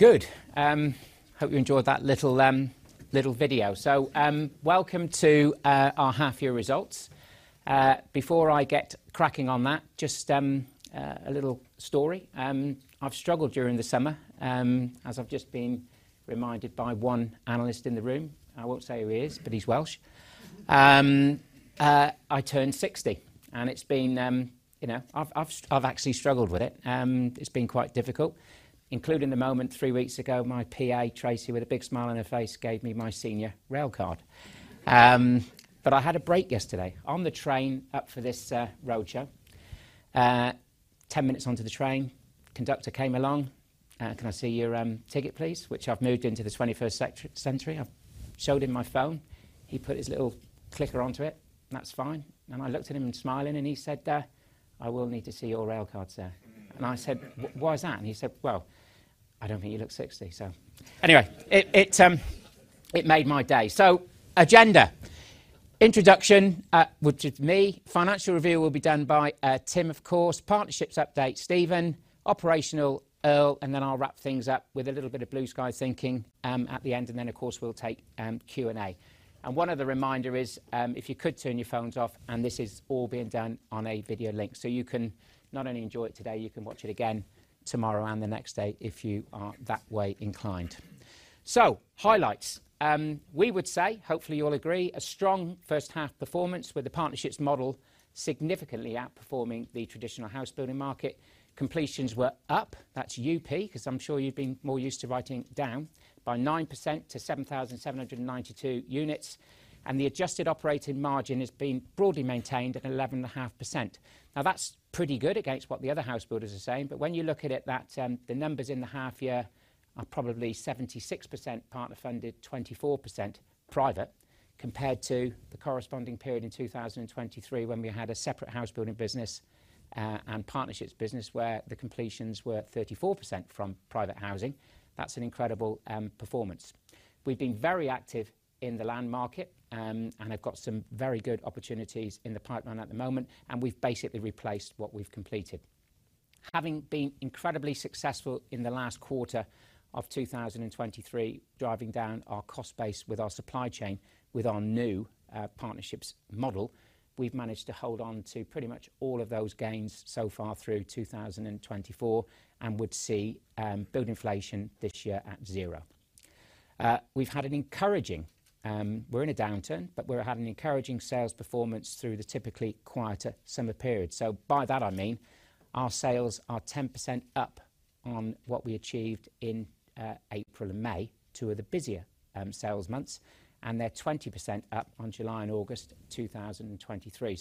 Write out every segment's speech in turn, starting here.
Good. Hope you enjoyed that little video. So, welcome to our half year results. Before I get cracking on that, just a little story. I've struggled during the summer as I've just been reminded by one analyst in the room. I won't say who he is, but he's Welsh. I turned sixty, and it's been. You know, I've actually struggled with it. It's been quite difficult, including the moment three weeks ago, my PA, Tracy, with a big smile on her face, gave me my Senior Railcard. But I had a break yesterday. On the train up for this roadshow, 10 minutes onto the train, conductor came along, "Can I see your ticket, please?" Which I've moved into the 21st century. I showed him my phone, he put his little clicker onto it. "That's fine." And I looked at him, smiling, and he said, "Uh, I will need to see your rail card, sir." And I said, "Why is that?" And he said, "Well, I don't think you look sixty, so." Anyway, it made my day. Agenda: Introduction, which is me, financial review will be done by Tim, of course, partnerships update, Stephen, operational, Earl, and then I'll wrap things up with a little bit of blue sky thinking, at the end, and then, of course, we'll take Q&A. One other reminder is, if you could turn your phones off, and this is all being done on a video link, so you can not only enjoy it today, you can watch it again tomorrow and the next day if you are that way inclined. Highlights. We would say, hopefully you'll agree, a strong first half performance with the partnerships model significantly outperforming the traditional Housebuilding market. Completions were up, that's up, because I'm sure you've been more used to writing it down, by 9% to 7,792 units, and the adjusted operating margin has been broadly maintained at 11.5%. Now, that's pretty good against what the other house builders are saying, but when you look at it, that the numbers in the half year are probably 76% partner funded, 24% private, compared to the corresponding period in 2023, when we had a separate Housebuilding business and Partnerships business, where the completions were 34% from private housing. That's an incredible performance. We've been very active in the land market and have got some very good opportunities in the pipeline at the moment, and we've basically replaced what we've completed. Having been incredibly successful in the last quarter of 2023, driving down our cost base with our supply chain, with our new partnerships model, we've managed to hold on to pretty much all of those gains so far through 2024 and would see build inflation this year at zero. We've had an encouraging. We're in a downturn, but we're having an encouraging sales performance through the typically quieter summer period. So by that, I mean, our sales are 10% up on what we achieved in April and May, two of the busier sales months, and they're 20% up on July and August 2023.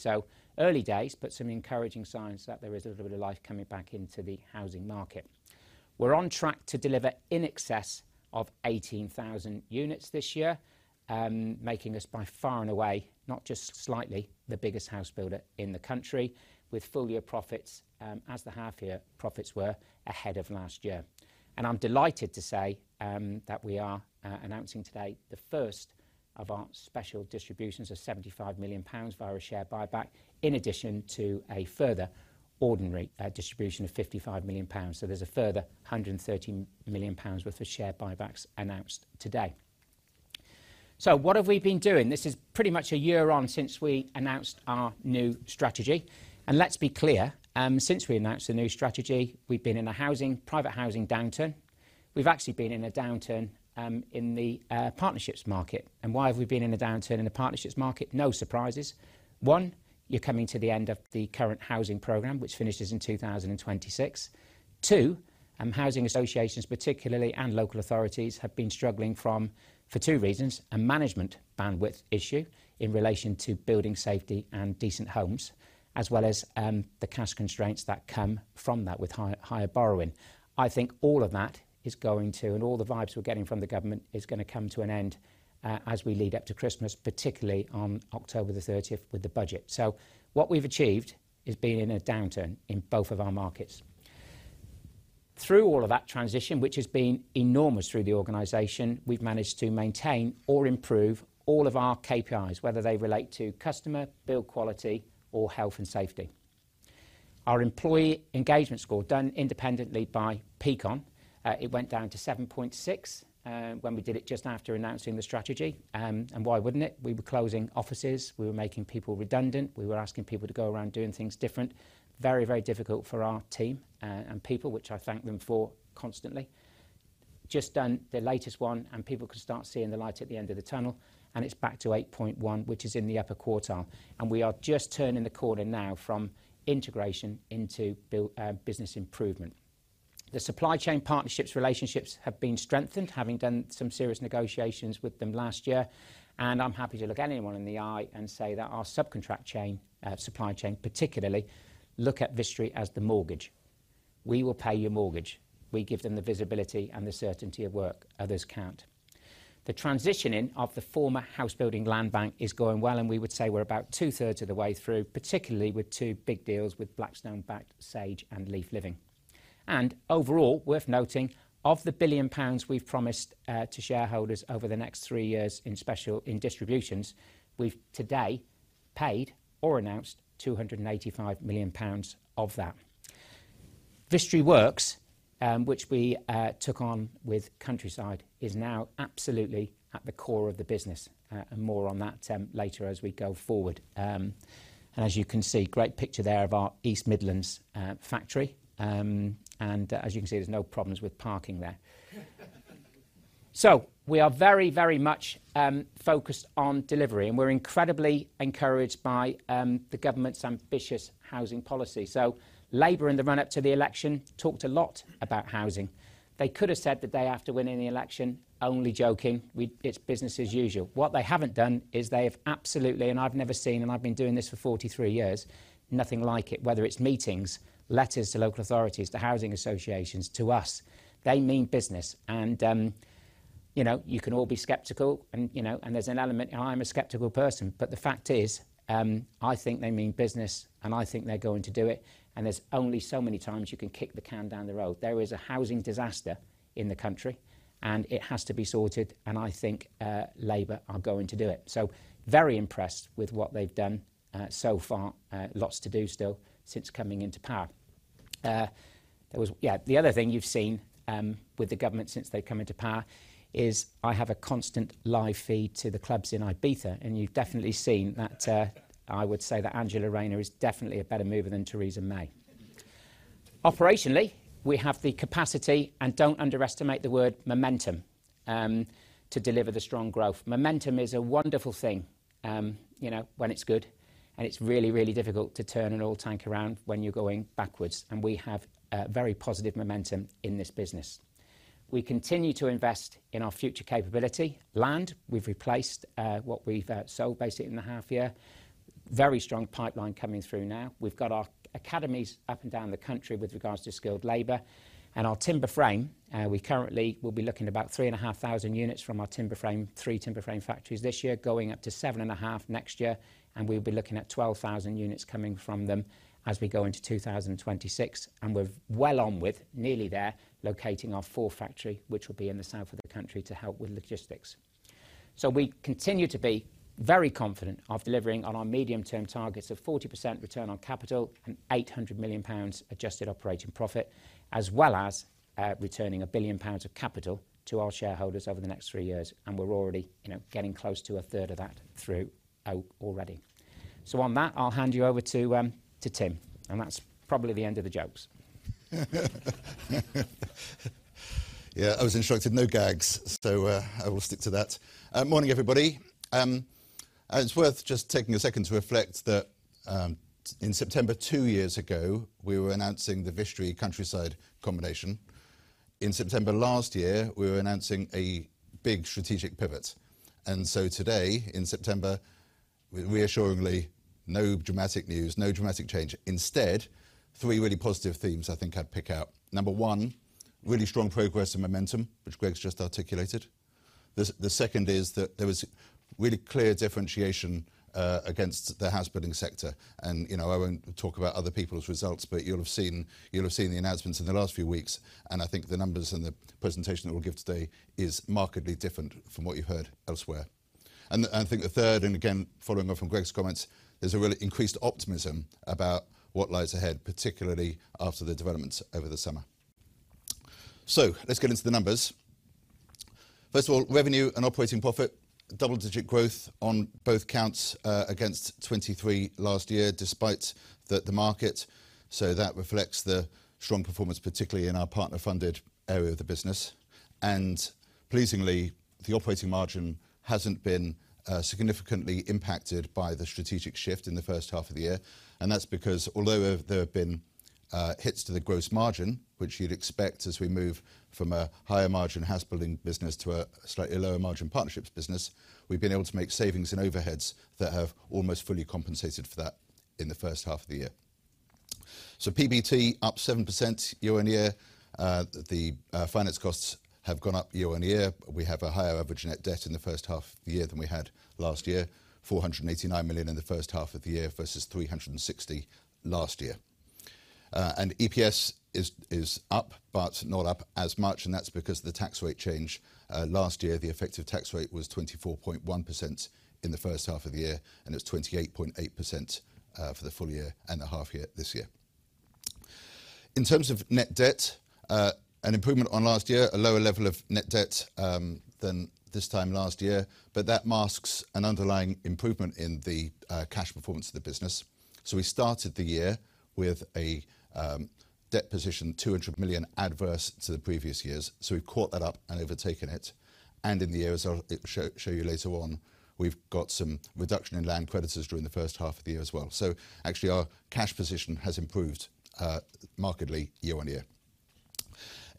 Early days, but some encouraging signs that there is a little bit of life coming back into the housing market. We're on track to deliver in excess of 18,000 units this year, making us by far and away, not just slightly, the biggest house builder in the country, with full year profits, as the half year profits were ahead of last year. And I'm delighted to say that we are announcing today the first of our special distributions of 75 million pounds via a share buyback, in addition to a further ordinary distribution of 55 million pounds. So there's a further 130 million pounds worth of share buybacks announced today. So what have we been doing? This is pretty much a year on since we announced our new strategy. And let's be clear, since we announced the new strategy, we've been in a housing, private housing downturn. We've actually been in a downturn in the partnerships market. And why have we been in a downturn in the partnerships market? No surprises. One, you're coming to the end of the current housing program, which finishes in 2026. Two housing associations, particularly, and local authorities, have been struggling for two reasons: a management bandwidth issue in relation to building safety and decent homes, as well as the cash constraints that come from that with higher borrowing. I think all of that is going to, and all the vibes we're getting from the government, is going to come to an end as we lead up to Christmas, particularly on October the 30th with the budget. So what we've achieved is being in a downturn in both of our markets. Through all of that transition, which has been enormous through the organization, we've managed to maintain or improve all of our KPIs, whether they relate to customer, build quality, or health and safety. Our employee engagement score, done independently by Peakon, it went down to 7.6, when we did it just after announcing the strategy, and why wouldn't it? We were closing offices, we were making people redundant, we were asking people to go around doing things different. Very, very difficult for our team, and people, which I thank them for constantly. Just done the latest one, and people can start seeing the light at the end of the tunnel, and it's back to 8.1, which is in the upper quartile, and we are just turning the corner now from integration into build, business improvement. The supply chain partnerships, relationships have been strengthened, having done some serious negotiations with them last year, and I'm happy to look anyone in the eye and say that our subcontract chain, supply chain particularly, look at Vistry as the mortgage. We will pay your mortgage. We give them the visibility and the certainty of work others can't. The transitioning of the former Housebuilding land bank is going well, and we would say we're about two-thirds of the way through, particularly with two big deals with Blackstone-backed Sage and Leaf Living. And overall, worth noting, of the billion pounds we've promised to shareholders over the next three years in special, in distributions, we've today paid or announced 285 million pounds of that. Vistry Works, which we took on with Countryside, is now absolutely at the core of the business. And more on that, later as we go forward. And as you can see, great picture there of our East Midlands factory. And as you can see, there's no problems with parking there. So we are very, very much focused on delivery, and we're incredibly encouraged by the government's ambitious housing policy. So Labour, in the run-up to the election, talked a lot about housing. They could have said the day after winning the election: "Only joking. It's business as usual." What they haven't done, is they have absolutely, and I've never seen, and I've been doing this for 40-three years, nothing like it, whether it's meetings, letters to local authorities, to housing associations, to us, they mean business. You know, you can all be skeptical and, you know, and there's an element, and I'm a skeptical person, but the fact is, I think they mean business, and I think they're going to do it, and there's only so many times you can kick the can down the road. There is a housing disaster in the country, and it has to be sorted, and I think Labour are going to do it. So very impressed with what they've done so far. Yeah, the other thing you've seen with the government since they've come into power is I have a constant live feed to the clubs in Ibiza, and you've definitely seen that. I would say that Angela Rayner is definitely a better mover than Theresa May. Operationally, we have the capacity, and don't underestimate the word momentum, to deliver the strong growth. Momentum is a wonderful thing, you know, when it's good, and it's really, really difficult to turn an oil tank around when you're going backwards, and we have very positive momentum in this business. We continue to invest in our future capability. Land, we've replaced what we've sold, basically, in the half year. Very strong pipeline coming through now. We've got our academies up and down the country with regards to skilled labor and our timber frame. We currently will be looking at about three and a half thousand units from our timber frame, three timber frame factories this year, going up to seven and a half next year, and we'll be looking at 12 thousand units coming from them as we go into 2026. And we're well on with, nearly there, locating our fourth factory, which will be in the south of the country, to help with logistics. So we continue to be very confident of delivering on our medium-term targets of 40% return on capital and 800 million pounds adjusted operating profit, as well as returning 1 billion pounds of capital to our shareholders over the next three years, and we're already, you know, getting close to a third of that throughout already. So on that, I'll hand you over to Tim, and that's probably the end of the jokes. Yeah, I was instructed no gags, so I will stick to that. Morning, everybody, and it's worth just taking a second to reflect that, in September two years ago, we were announcing the Vistry-Countryside combination. In September last year, we were announcing a big strategic pivot, and so today, in September, reassuringly, no dramatic news, no dramatic change. Instead, three really positive themes I think I'd pick out. Number one, really strong progress and momentum, which Greg's just articulated. The second is that there was really clear differentiation against the housebuilding sector, and you know, I won't talk about other people's results, but you'll have seen, you'll have seen the announcements in the last few weeks, and I think the numbers and the presentation that we'll give today is markedly different from what you've heard elsewhere. I think the third, and again, following on from Greg's comments, there's a really increased optimism about what lies ahead, particularly after the developments over the summer. Let's get into the numbers. First of all, revenue and operating profit, double-digit growth on both counts, against 2023 last year, despite the market. That reflects the strong performance, particularly in our partner-funded area of the business. And pleasingly, the operating margin hasn't been significantly impacted by the strategic shift in the first half of the year, and that's because, although there have been hits to the gross margin, which you'd expect as we move from a higher margin housebuilding business to a slightly lower margin partnerships business, we've been able to make savings and overheads that have almost fully compensated for that in the first half of the year. So PBT up 7% year on year. The finance costs have gone up year on year. We have a higher average net debt in the first half of the year than we had last year, 489 million in the first half of the year versus 360 million last year. And EPS is up, but not up as much, and that's because of the tax rate change. Last year, the effective tax rate was 24.1% in the first half of the year, and it's 28.8% for the full year and the half year this year. In terms of net debt, an improvement on last year, a lower level of net debt than this time last year, but that masks an underlying improvement in the cash performance of the business. So we started the year with a debt position, 200 million adverse to the previous years. We've caught that up and overtaken it. And in the year, as I'll show you later on, we've got some reduction in land creditors during the first half of the year as well. So actually, our cash position has improved markedly year on year.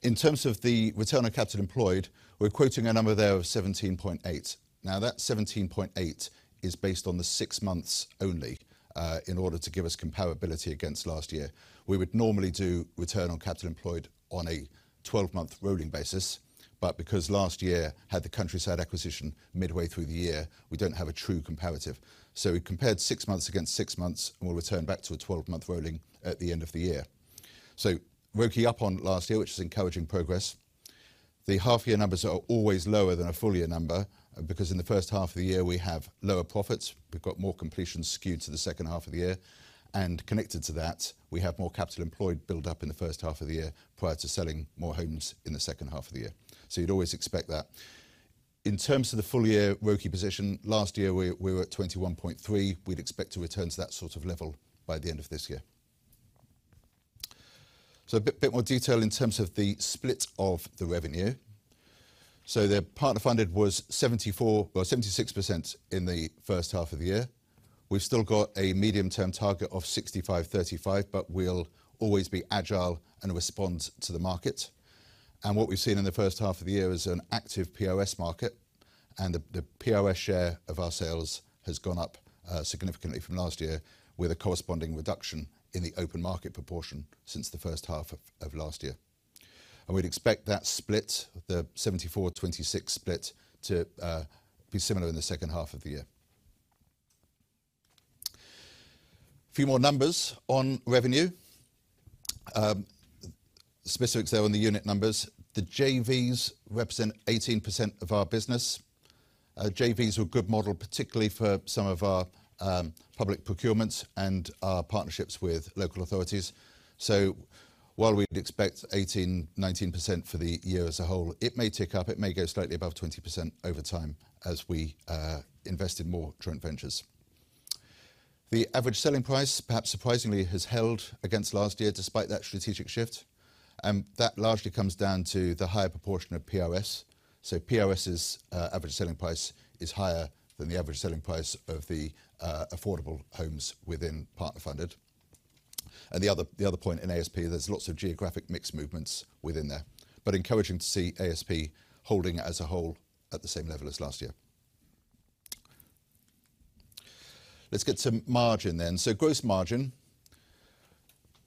In terms of the return on capital employed, we're quoting a number there of 17.8. Now, that 17.8 is based on the six months only, in order to give us comparability against last year. We would normally do return on capital employed on a twelve-month rolling basis, but because last year had the Countryside acquisition midway through the year, we don't have a true comparative. We compared six months against six months, and we'll return back to a 12-month rolling at the end of the year. ROCE up on last year, which is encouraging progress. The half year numbers are always lower than a full year number because in the first half of the year, we have lower profits. We've got more completions skewed to the second half of the year, and connected to that, we have more capital employed build up in the first half of the year prior to selling more homes in the second half of the year. So you'd always expect that. In terms of the full year ROCE position, last year we were at 21.3%. We'd expect to return to that sort of level by the end of this year. So a bit more detail in terms of the split of the revenue. The partner funded was 76% in the first half of the year. We've still got a medium-term target of 65/35, but we'll always be agile and respond to the market. What we've seen in the first half of the year is an active POS market, and the PRS share of our sales has gone up significantly from last year, with a corresponding reduction in the open market proportion since the first half of last year. We'd expect that split, the 74/26 split, to be similar in the second half of the year. A few more numbers on revenue. Specifics there on the unit numbers. The JVs represent 18% of our business. JVs are a good model, particularly for some of our public procurements and our partnerships with local authorities. So while we'd expect 18-19% for the year as a whole, it may tick up. It may go slightly above 20% over time as we invest in more joint ventures. The average selling price, perhaps surprisingly, has held against last year, despite that strategic shift, and that largely comes down to the higher proportion of POS. So POS's average selling price is higher than the average selling price of the affordable homes within partner funded. And the other point in ASP, there's lots of geographic mix movements within there, but encouraging to see ASP holding as a whole at the same level as last year. Let's get to margin then. So gross margin,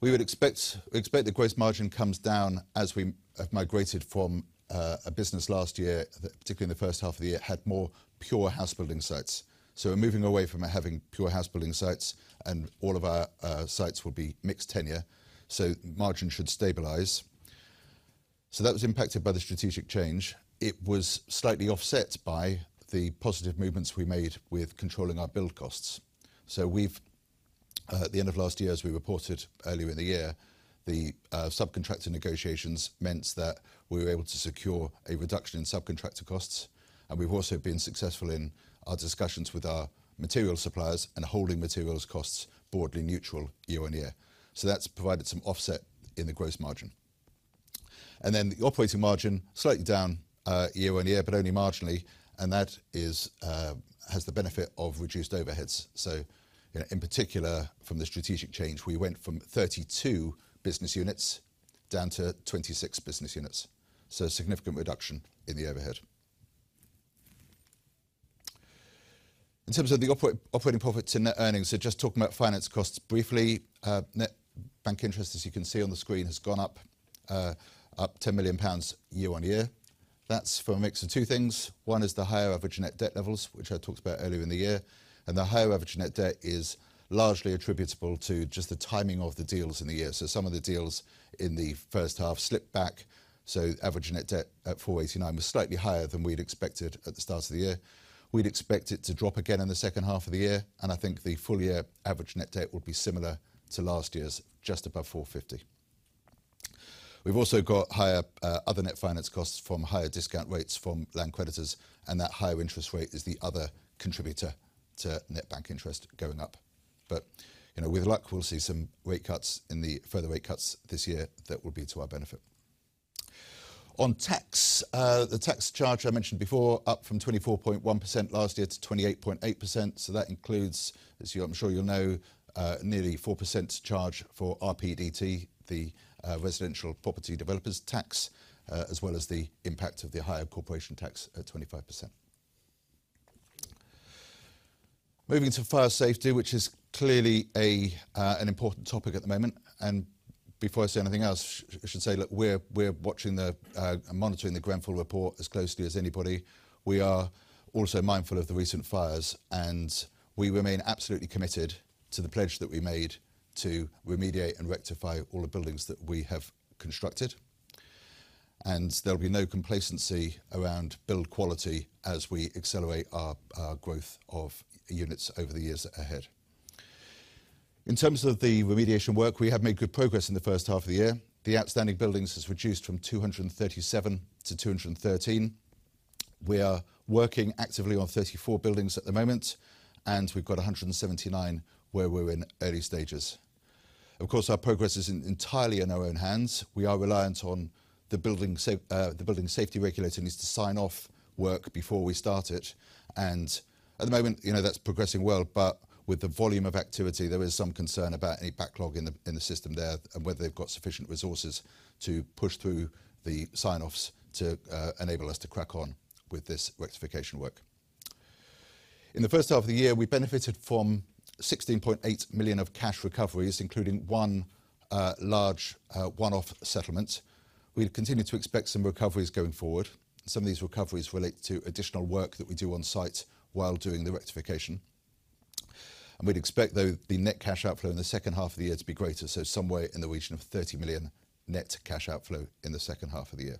we would expect the gross margin comes down as we have migrated from a business last year that particularly in the first half of the year had more pure housebuilding sites. So we're moving away from having pure housebuilding sites, and all of our sites will be mixed tenure, so margin should stabilize. So that was impacted by the strategic change. It was slightly offset by the positive movements we made with controlling our build costs. So we've at the end of last year, as we reported earlier in the year, the subcontractor negotiations meant that we were able to secure a reduction in subcontractor costs, and we've also been successful in our discussions with our material suppliers and holding materials costs broadly neutral year on year. So that's provided some offset in the gross margin. And then the operating margin, slightly down year on year, but only marginally, and that is has the benefit of reduced overheads. So, you know, in particular, from the strategic change, we went from 32 business units down to 26 business units, so a significant reduction in the overhead. In terms of the operating profits and net earnings, so just talking about finance costs briefly, net bank interest, as you can see on the screen, has gone up 10 million pounds year on year. That's from a mix of two things. One is the higher average net debt levels, which I talked about earlier in the year, and the higher average net debt is largely attributable to just the timing of the deals in the year. So some of the deals in the first half slipped back, so average net debt at 489 was slightly higher than we'd expected at the start of the year. We'd expect it to drop again in the second half of the year, and I think the full year average net debt will be similar to last year's, just above 450. We've also got higher, other net finance costs from higher discount rates from land creditors, and that higher interest rate is the other contributor to net bank interest going up. But, you know, with luck, we'll see some rate cuts in the further rate cuts this year that will be to our benefit. On tax, the tax charge I mentioned before, up from 24.1% last year to 28.8%. So that includes, as you, I'm sure you'll know, nearly 4% charge for RPDT, the Residential Property Developer Tax, as well as the impact of the higher corporation tax at 25%. Moving to fire safety, which is clearly an important topic at the moment, and before I say anything else, I should say, look, we're monitoring the Grenfell report as closely as anybody. We are also mindful of the recent fires, and we remain absolutely committed to the pledge that we made to remediate and rectify all the buildings that we have constructed. And there'll be no complacency around build quality as we accelerate our growth of units over the years ahead. In terms of the remediation work, we have made good progress in the first half of the year. The outstanding buildings has reduced from 237 to 213. We are working actively on 34 buildings at the moment, and we've got 179 where we're in early stages. Of course, our progress is entirely in our own hands. We are reliant on the Building Safety Regulator needs to sign off work before we start it, and at the moment, you know, that's progressing well. But with the volume of activity, there is some concern about any backlog in the system there and whether they've got sufficient resources to push through the sign-offs to enable us to crack on with this rectification work. In the first half of the year, we benefited from 16.8 million of cash recoveries, including one large one-off settlement. We continue to expect some recoveries going forward. Some of these recoveries relate to additional work that we do on site while doing the rectification. And we'd expect, though, the net cash outflow in the second half of the year to be greater, so somewhere in the region of 30 million net cash outflow in the second half of the year.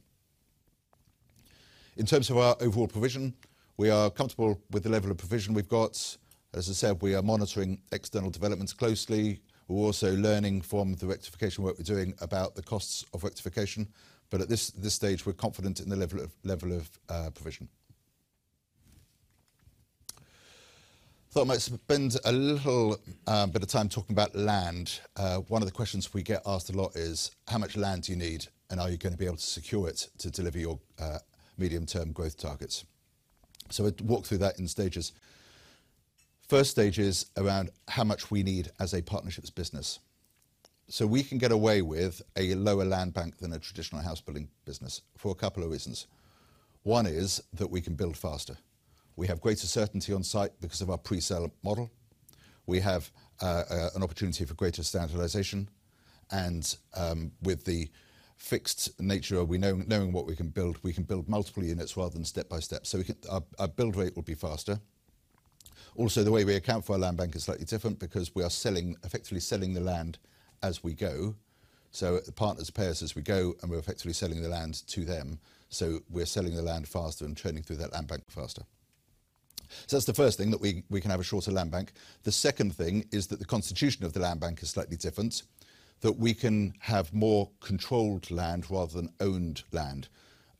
In terms of our overall provision, we are comfortable with the level of provision we've got. As I said, we are monitoring external developments closely. We're also learning from the rectification work we're doing about the costs of rectification, but at this stage, we're confident in the level of provision. I thought I might spend a little bit of time talking about land. One of the questions we get asked a lot is: How much land do you need, and are you gonna be able to secure it to deliver your medium-term growth targets? So we'll walk through that in stages. First stage is around how much we need as a partnerships business. So we can get away with a lower land bank than a traditional Housebuilding business for a couple of reasons. One is that we can build faster. We have greater certainty on site because of our pre-sale model. We have an opportunity for greater standardization, and with the fixed nature, knowing what we can build, we can build multiple units rather than step by step. Our build rate will be faster. Also, the way we account for our land bank is slightly different because we are selling, effectively selling the land as we go. So the partners pay us as we go, and we're effectively selling the land to them. So we're selling the land faster and turning through that land bank faster. So that's the first thing, that we can have a shorter land bank. The second thing is that the constitution of the land bank is slightly different, that we can have more controlled land rather than owned land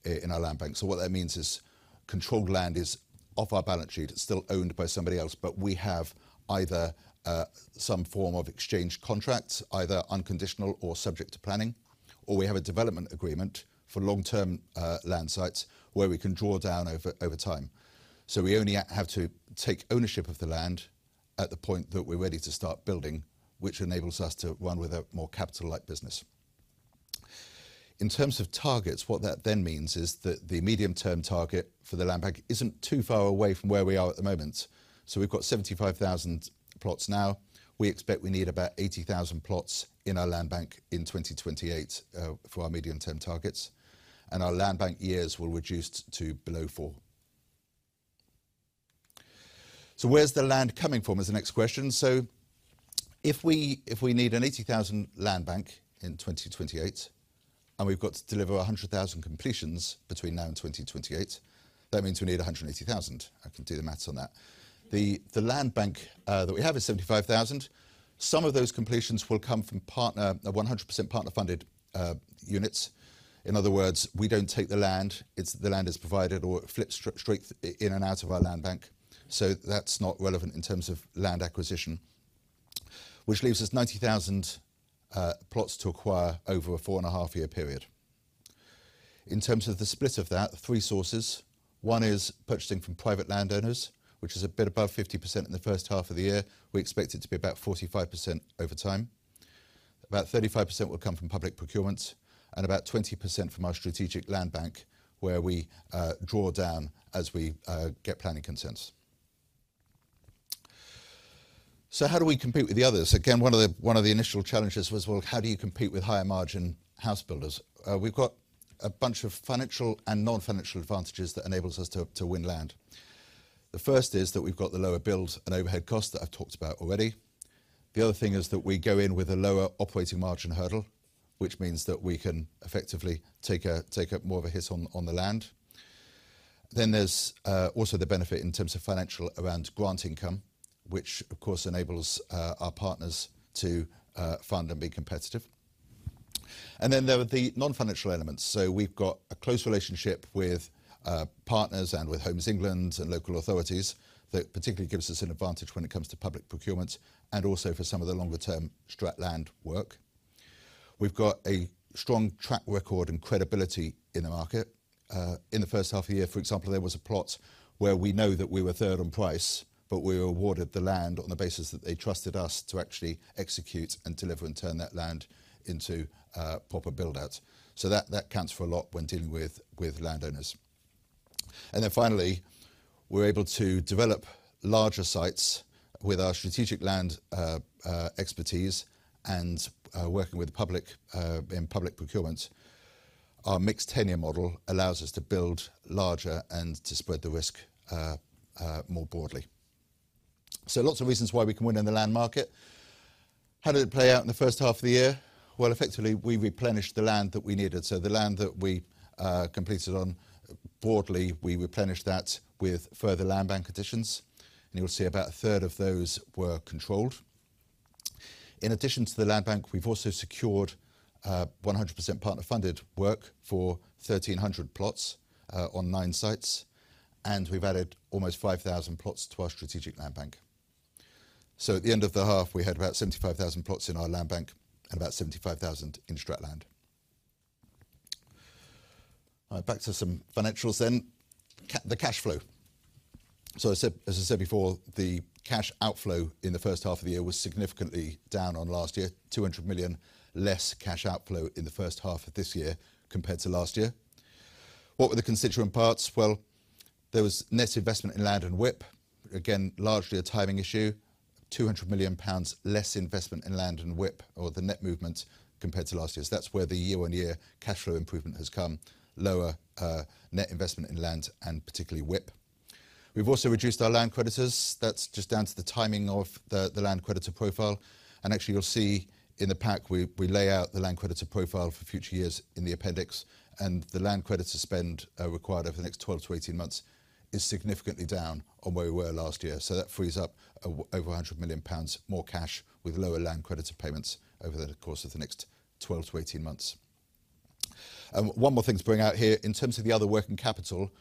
in our land bank. So what that means is controlled land is off our balance sheet. It's still owned by somebody else, but we have either some form of exchange contract, either unconditional or subject to planning, or we have a development agreement for long-term land sites, where we can draw down over time. So we only have to take ownership of the land at the point that we're ready to start building, which enables us to run with a more capital-light business. In terms of targets, what that then means is that the medium-term target for the land bank isn't too far away from where we are at the moment. So we've got 75,000 plots now. We expect we need about 80,000 plots in our land bank in 2028 for our medium-term targets, and our land bank years will reduce to below four. So where's the land coming from? Is the next question. So if we, if we need an 80,000 land bank in 2028, and we've got to deliver 100,000 completions between now and 2028, that means we need 180,000. I can do the math on that. The land bank that we have is 75,000. Some of those completions will come from partner 100% partner-funded units. In other words, we don't take the land; it's provided or flips straight in and out of our land bank. So that's not relevant in terms of land acquisition, which leaves us 90,000 plots to acquire over a 4.5-year period. In terms of the split of that, three sources. One is purchasing from private landowners, which is a bit above 50% in the first half of the year. We expect it to be about 45% over time. About 35% will come from public procurement, and about 20% from our strategic land bank, where we draw down as we get planning consents. So how do we compete with the others? Again, one of the initial challenges was, well, how do you compete with higher-margin house builders? We've got a bunch of financial and non-financial advantages that enables us to win land. The first is that we've got the lower build and overhead costs that I've talked about already. The other thing is that we go in with a lower operating margin hurdle, which means that we can effectively take a more of a hit on the land. Then there's also the benefit in terms of financial around grant income, which of course enables our partners to fund and be competitive. And then there are the non-financial elements. So we've got a close relationship with partners and with Homes England and local authorities. That particularly gives us an advantage when it comes to public procurement and also for some of the longer-term strategic land work. We've got a strong track record and credibility in the market. In the first half of the year, for example, there was a plot where we know that we were third on price, but we were awarded the land on the basis that they trusted us to actually execute and deliver and turn that land into proper build-out. So that counts for a lot when dealing with landowners. And then finally, we're able to develop larger sites with our strategic land expertise and working with the public in public procurement. Our mixed-tenure model allows us to build larger and to spread the risk more broadly. So lots of reasons why we can win in the land market. How did it play out in the first half of the year? Well, effectively, we replenished the land that we needed. So the land that we completed on, broadly, we replenished that with further land bank additions, and you'll see about a third of those were controlled. In addition to the land bank, we've also secured 100% partner-funded work for 1,300 plots on nine sites, and we've added almost 5,000 plots to our strategic land bank. So at the end of the half, we had about 75,000 plots in our land bank and about 75,000 in strat land. All right, back to some financials then. The cash flow. As I said before, the cash outflow in the first half of the year was significantly down on last year, 200 million less cash outflow in the first half of this year compared to last year. What were the constituent parts? Well, there was net investment in land and WIP. Again, largely a timing issue. 200 million pounds less investment in land and WIP, or the net movement compared to last year's. That's where the year-on-year cash flow improvement has come, lower net investment in land and particularly WIP. We've also reduced our land creditors. That's just down to the timing of the land creditor profile. Actually, you'll see in the pack, we lay out the land creditor profile for future years in the appendix, and the land creditor spend required over the next 12-18 months is significantly down on where we were last year. That frees up over 100 million pounds more cash, with lower land creditor payments over the course of the next 12-18 months. One more thing to bring out here. In terms of the other working capital,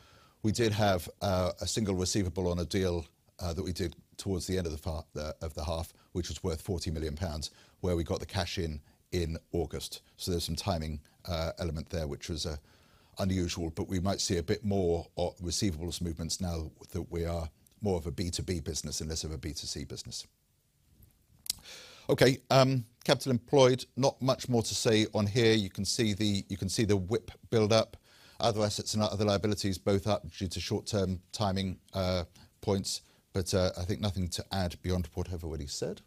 we did have a single receivable on a deal that we did towards the end of the latter part of the half, which was worth 40 million GBP, where we got the cash in in August. So there's some timing element there, which was unusual, but we might see a bit more of receivables movements now that we are more of a B2B business and less of a B2C business. Okay, capital employed, not much more to say on here. You can see the WIP build up. Other assets and other liabilities both up due to short-term timing points, but I think nothing to add beyond what I've already said.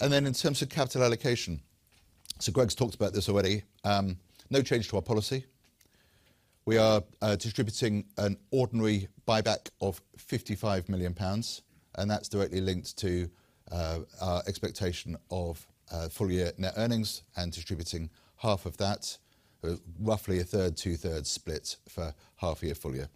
And then in terms of capital allocation, so Greg's talked about this already, no change to our policy. We are distributing an ordinary buyback of 55 million pounds, and that's directly linked to our expectation of full year net earnings and distributing half of that, roughly a third, two-thirds split for half year, full year.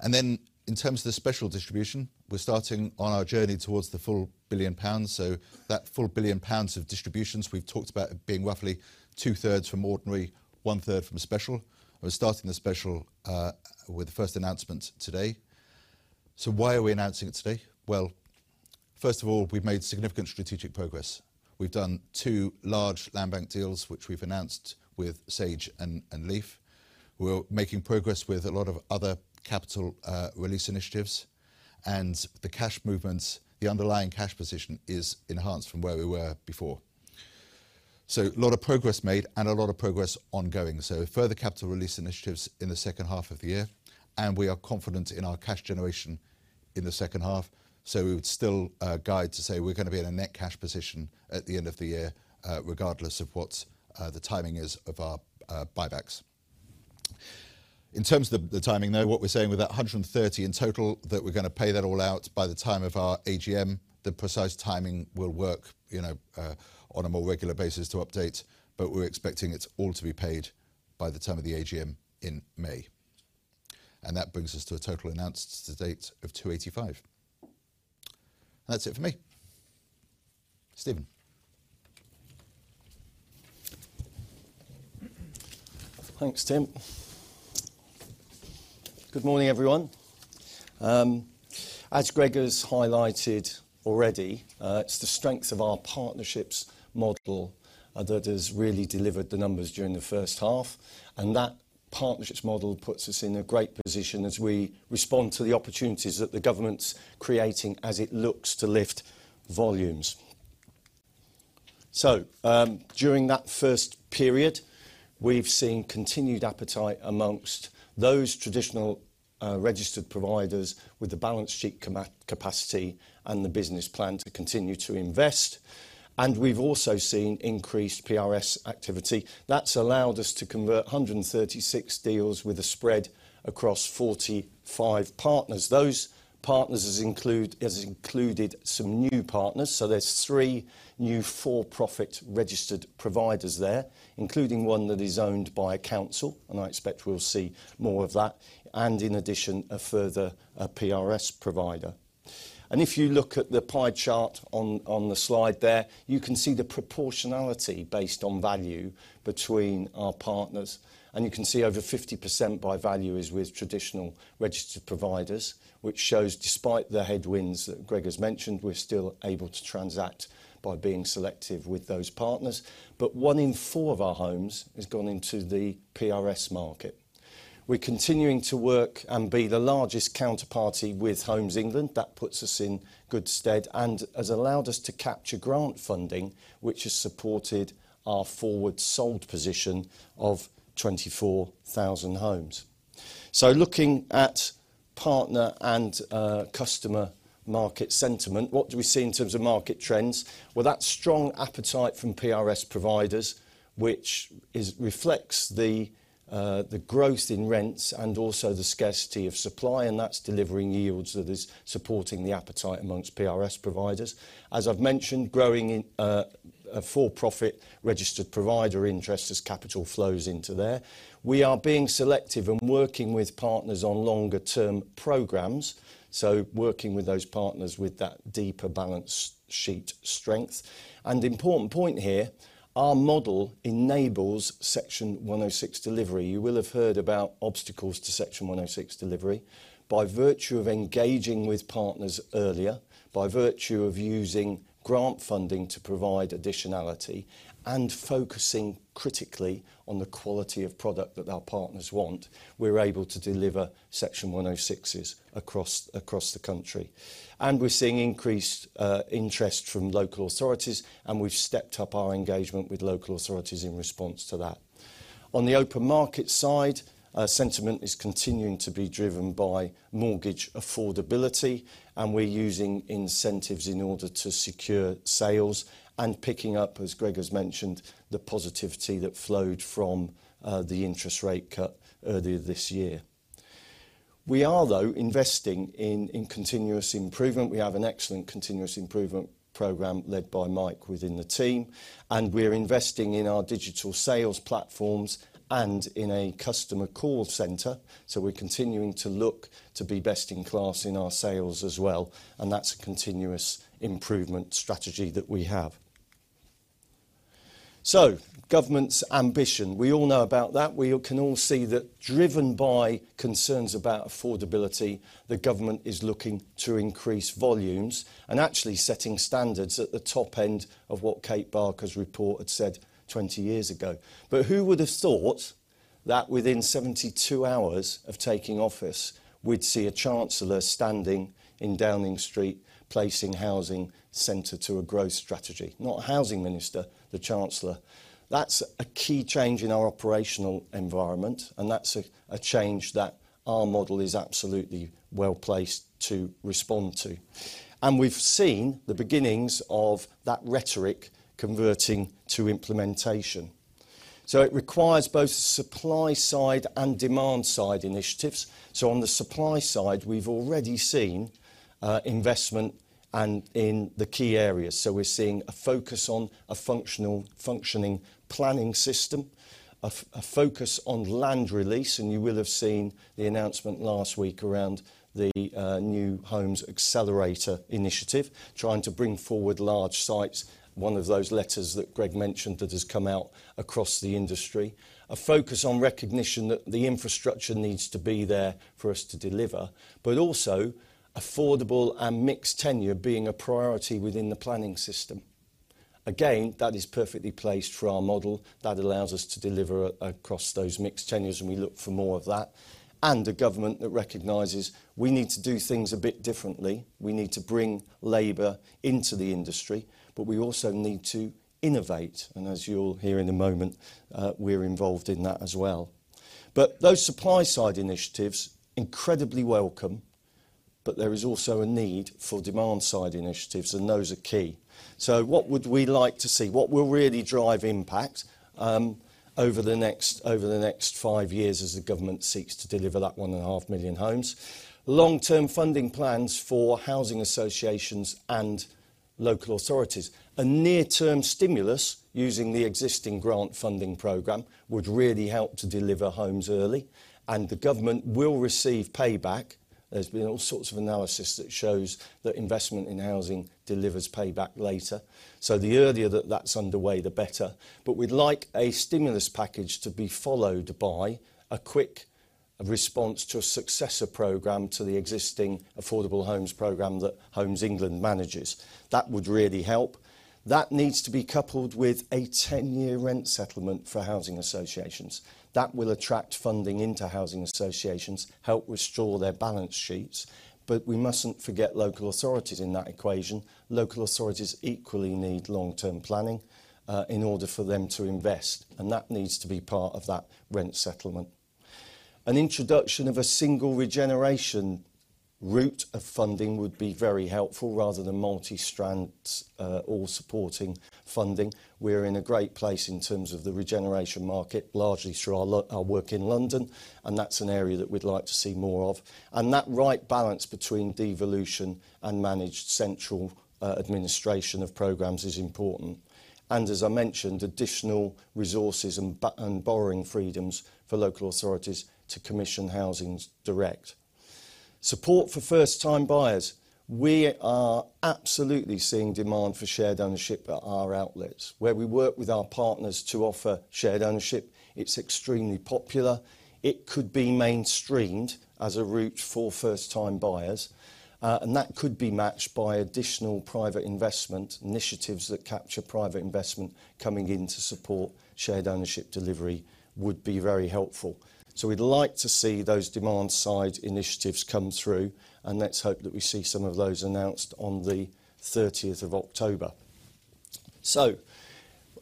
And then in terms of the special distribution, we're starting on our journey towards the full 1 billion pounds. So that full 1 billion pounds of distributions we've talked about being roughly two-thirds from ordinary, one-third from special. We're starting the special with the first announcement today. So why are we announcing it today? Well, first of all, we've made significant strategic progress. We've done two large land bank deals, which we've announced with Sage and, and Leaf. We're making progress with a lot of other capital release initiatives, and the cash movements, the underlying cash position is enhanced from where we were before. So a lot of progress made and a lot of progress ongoing. So further capital release initiatives in the second half of the year, and we are confident in our cash generation in the second half. So we would still guide to say we're gonna be in a net cash position at the end of the year, regardless of what the timing is of our buybacks. In terms of the timing, though, what we're saying with that 130 in total, that we're gonna pay that all out by the time of our AGM. The precise timing will work, you know, on a more regular basis to update, but we're expecting it all to be paid by the time of the AGM in May. And that brings us to a total announced to date of 285. That's it for me. Stephen? Thanks, Tim. Good morning, everyone. As Greg has highlighted already, it's the strength of our partnerships model that has really delivered the numbers during the first half, and that partnerships model puts us in a great position as we respond to the opportunities that the government's creating as it looks to lift volumes. So, during that first period, we've seen continued appetite amongst those traditional registered providers with the balance sheet capacity and the business plan to continue to invest. And we've also seen increased PRS activity. That's allowed us to convert 136 deals with a spread across 45 partners. Those partners has included some new partners, so there's three new for-profit registered providers there, including one that is owned by a council, and I expect we'll see more of that, and in addition, a further PRS provider. And if you look at the pie chart on the slide there, you can see the proportionality based on value between our partners, and you can see over 50% by value is with traditional registered providers, which shows, despite the headwinds that Greg has mentioned, we're still able to transact by being selective with those partners. But one in four of our homes has gone into the PRS market. We're continuing to work and be the largest counterparty with Homes England. That puts us in good stead and has allowed us to capture grant funding, which has supported our forward sold position of 24,000 homes. So looking at partner and customer market sentiment, what do we see in terms of market trends? That's strong appetite from PRS providers, which reflects the growth in rents and also the scarcity of supply, and that's delivering yields that is supporting the appetite amongst PRS providers. As I've mentioned, growing interest in for-profit registered providers as capital flows into there. We are being selective and working with partners on longer term programs, so working with those partners with that deeper balance sheet strength. Important point here, our model enables Section 106 delivery. You will have heard about obstacles to Section 106 delivery. By virtue of engaging with partners earlier, by virtue of using grant funding to provide additionality, and focusing critically on the quality of product that our partners want, we're able to deliver Section 106s across the country. And we're seeing increased interest from local authorities, and we've stepped up our engagement with local authorities in response to that. On the open market side, sentiment is continuing to be driven by mortgage affordability, and we're using incentives in order to secure sales and picking up, as Greg has mentioned, the positivity that flowed from the interest rate cut earlier this year. We are though, investing in continuous improvement. We have an excellent continuous improvement program led by Mike within the team, and we're investing in our digital sales platforms and in a customer call center. So we're continuing to look to be best in class in our sales as well, and that's a continuous improvement strategy that we have. So government's ambition, we all know about that. We can all see that driven by concerns about affordability, the government is looking to increase volumes and actually setting standards at the top end of what Kate Barker's report had said 20 years ago. But who would have thought that within seventy-two hours of taking office, we'd see a chancellor standing in Downing Street placing housing at the center of a growth strategy? Not a housing minister, the chancellor. That's a key change in our operational environment, and that's a change that our model is absolutely well-placed to respond to. And we've seen the beginnings of that rhetoric converting to implementation. So it requires both supply side and demand side initiatives. So on the supply side, we've already seen investment and in the key areas. So we're seeing a focus on a functional, functioning planning system, a focus on land release, and you will have seen the announcement last week around the New Homes Accelerator initiative, trying to bring forward large sites. One of those letters that Greg mentioned that has come out across the industry. A focus on recognition that the infrastructure needs to be there for us to deliver, but also affordable and mixed tenure being a priority within the planning system. Again, that is perfectly placed for our model. That allows us to deliver across those mixed tenures, and we look for more of that. And a government that recognizes we need to do things a bit differently. We need to bring labor into the industry, but we also need to innovate, and as you'll hear in a moment, we're involved in that as well. But those supply side initiatives, incredibly welcome, but there is also a need for demand side initiatives, and those are key. So what would we like to see? What will really drive impact, over the next five years as the government seeks to deliver that one and a half million homes? Long-term funding plans for housing associations and local authorities. A near-term stimulus using the existing grant funding program would really help to deliver homes early, and the government will receive payback. There's been all sorts of analysis that shows that investment in housing delivers payback later. So the earlier that that's underway, the better. But we'd like a stimulus package to be followed by a quick response to a successor program to the existing Affordable Homes Program that Homes England manages. That would really help. That needs to be coupled with a ten-year rent settlement for housing associations. That will attract funding into housing associations, help restore their balance sheets, but we mustn't forget local authorities in that equation. Local authorities equally need long-term planning in order for them to invest, and that needs to be part of that rent settlement. An introduction of a single regeneration route of funding would be very helpful, rather than multi-strand all supporting funding. We're in a great place in terms of the regeneration market, largely through our work in London, and that's an area that we'd like to see more of. And that right balance between devolution and managed central administration of programs is important. And as I mentioned, additional resources and borrowing freedoms for local authorities to commission housing direct. Support for first-time buyers. We are absolutely seeing demand for shared ownership at our outlets, where we work with our partners to offer shared ownership. It's extremely popular. It could be mainstreamed as a route for first-time buyers, and that could be matched by additional private investment initiatives that capture private investment coming in to support shared ownership delivery would be very helpful. So we'd like to see those demand side initiatives come through, and let's hope that we see some of those announced on the thirtieth of October. So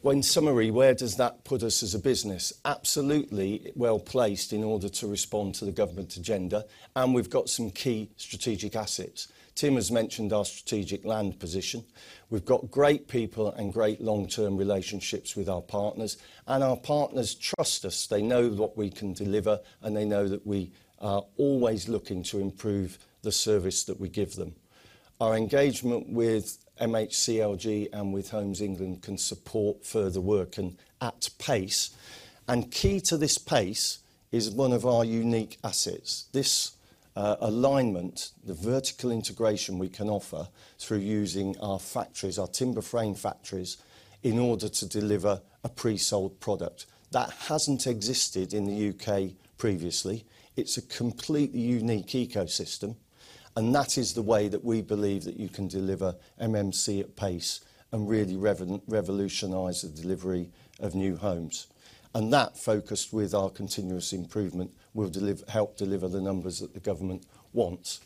in summary, where does that put us as a business? Absolutely well-placed in order to respond to the government's agenda, and we've got some key strategic assets. Tim has mentioned our strategic land position. We've got great people and great long-term relationships with our partners, and our partners trust us. They know what we can deliver, and they know that we are always looking to improve the service that we give them. Our engagement with MHCLG and with Homes England can support further work and at pace and key to this pace is one of our unique assets. This alignment, the vertical integration we can offer through using our factories, our timber frame factories, in order to deliver a pre-sold product. That hasn't existed in the U.K. previously. It's a completely unique ecosystem, and that is the way that we believe that you can deliver MMC at pace and really revolutionize the delivery of new homes, and that focus with our continuous improvement will help deliver the numbers that the government wants.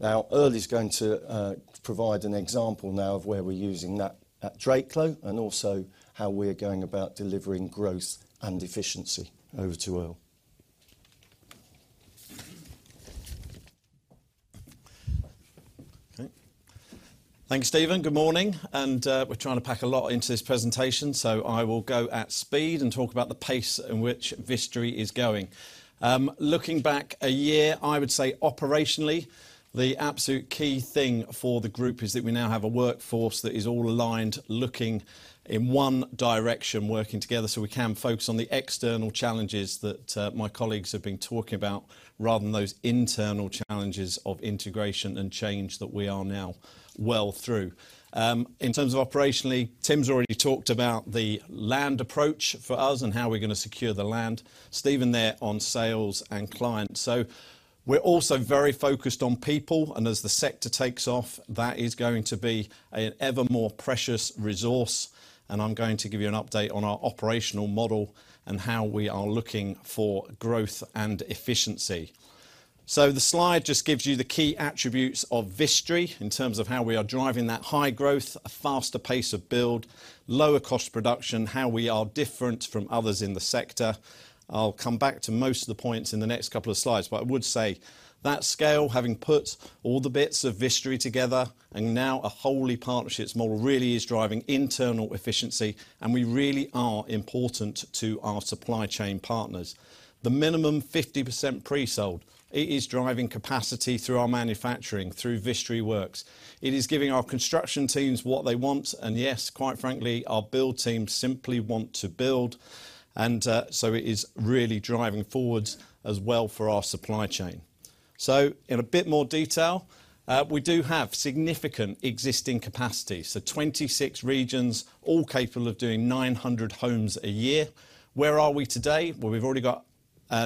Now, Earl is going to provide an example now of where we're using that at Drakelow, and also how we're going about delivering growth and efficiency. Over to Earl. Okay. Thanks, Steven. Good morning, and we're trying to pack a lot into this presentation, so I will go at speed and talk about the pace in which Vistry is going. Looking back a year, I would say operationally, the absolute key thing for the group is that we now have a workforce that is all aligned, looking in one direction, working together, so we can focus on the external challenges that my colleagues have been talking about, rather than those internal challenges of integration and change that we are now well through. In terms of operationally, Tim's already talked about the land approach for us and how we're going to secure the land. Steven there on sales and client. So we're also very focused on people, and as the sector takes off, that is going to be an ever more precious resource, and I'm going to give you an update on our operational model and how we are looking for growth and efficiency. So the slide just gives you the key attributes of Vistry in terms of how we are driving that high growth, a faster pace of build, lower cost production, how we are different from others in the sector. I'll come back to most of the points in the next couple of slides, but I would say that scale, having put all the bits of Vistry together and now a wholly partnerships model, really is driving internal efficiency, and we really are important to our supply chain partners. The minimum 50% pre-sold, it is driving capacity through our manufacturing, through Vistry Works. It is giving our construction teams what they want, and yes, quite frankly, our build teams simply want to build, and so it is really driving forwards as well for our supply chain. So in a bit more detail, we do have significant existing capacity. So 20-six regions, all capable of doing nine hundred homes a year. Where are we today? Well, we've already got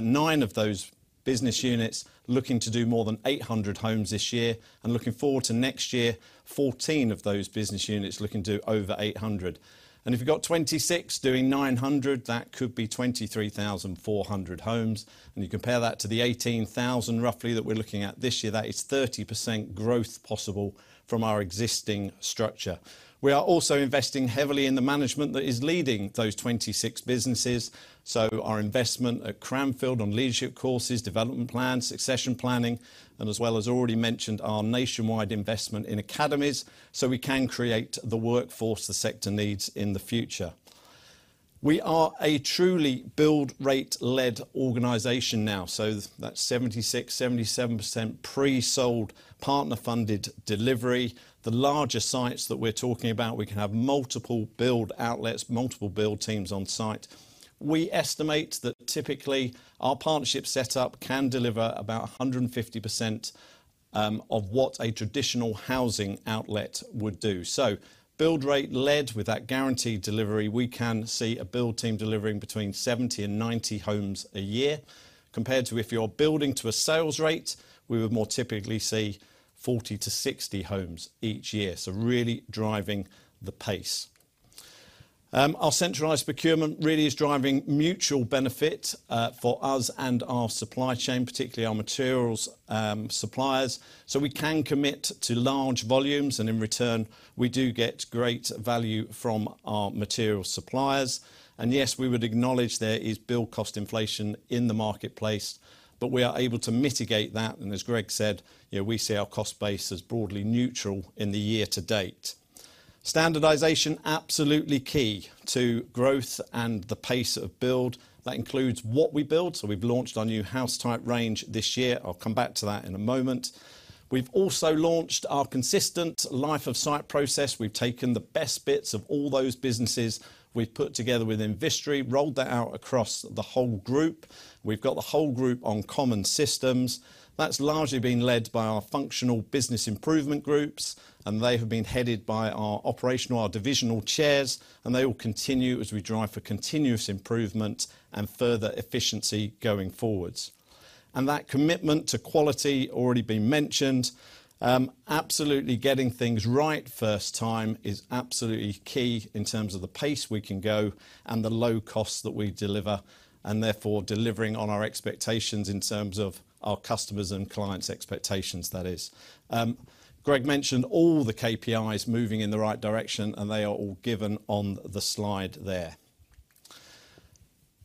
nine of those business units looking to do more than eight hundred homes this year, and looking forward to next year, fourteen of those business units looking to do over eight hundred, and if you've got 20-six doing nine hundred, that could be 20-three thousand four hundred homes, and you compare that to the eighteen thousand, roughly, that we're looking at this year, that is 30% growth possible from our existing structure. We are also investing heavily in the management that is leading those 20-six businesses, so our investment at Cranfield on leadership courses, development plans, succession planning, and as well as already mentioned, our nationwide investment in academies, so we can create the workforce the sector needs in the future. We are a truly build rate-led organization now, so that's 76%-77% pre-sold, partner-funded delivery. The larger sites that we're talking about, we can have multiple build outlets, multiple build teams on site. We estimate that typically, our partnership set up can deliver about 150% of what a traditional housing outlet would do. So build rate led, with that guaranteed delivery, we can see a build team delivering between 70 and 90 homes a year, compared to if you're building to a sales rate, we would more typically see 40-60 homes each year. Really driving the pace. Our centralized procurement really is driving mutual benefit, for us and our supply chain, particularly our materials, suppliers, so we can commit to large volumes, and in return, we do get great value from our material suppliers, and yes, we would acknowledge there is build cost inflation in the marketplace, but we are able to mitigate that, and as Greg said, you know, we see our cost base as broadly neutral in the year to date. Standardization, absolutely key to growth and the pace of build. That includes what we build, so we've launched our new house type range this year. I'll come back to that in a moment. We've also launched our consistent life of site process. We've taken the best bits of all those businesses we've put together within Vistry, rolled that out across the whole group. We've got the whole group on common systems. That's largely been led by our functional business improvement groups, and they have been headed by our operational, our divisional chairs, and they will continue as we drive for continuous improvement and further efficiency going forwards, and that commitment to quality already been mentioned, absolutely getting things right first time is absolutely key in terms of the pace we can go and the low costs that we deliver, and therefore delivering on our expectations in terms of our customers' and clients' expectations, that is. Greg mentioned all the KPIs moving in the right direction, and they are all given on the slide there,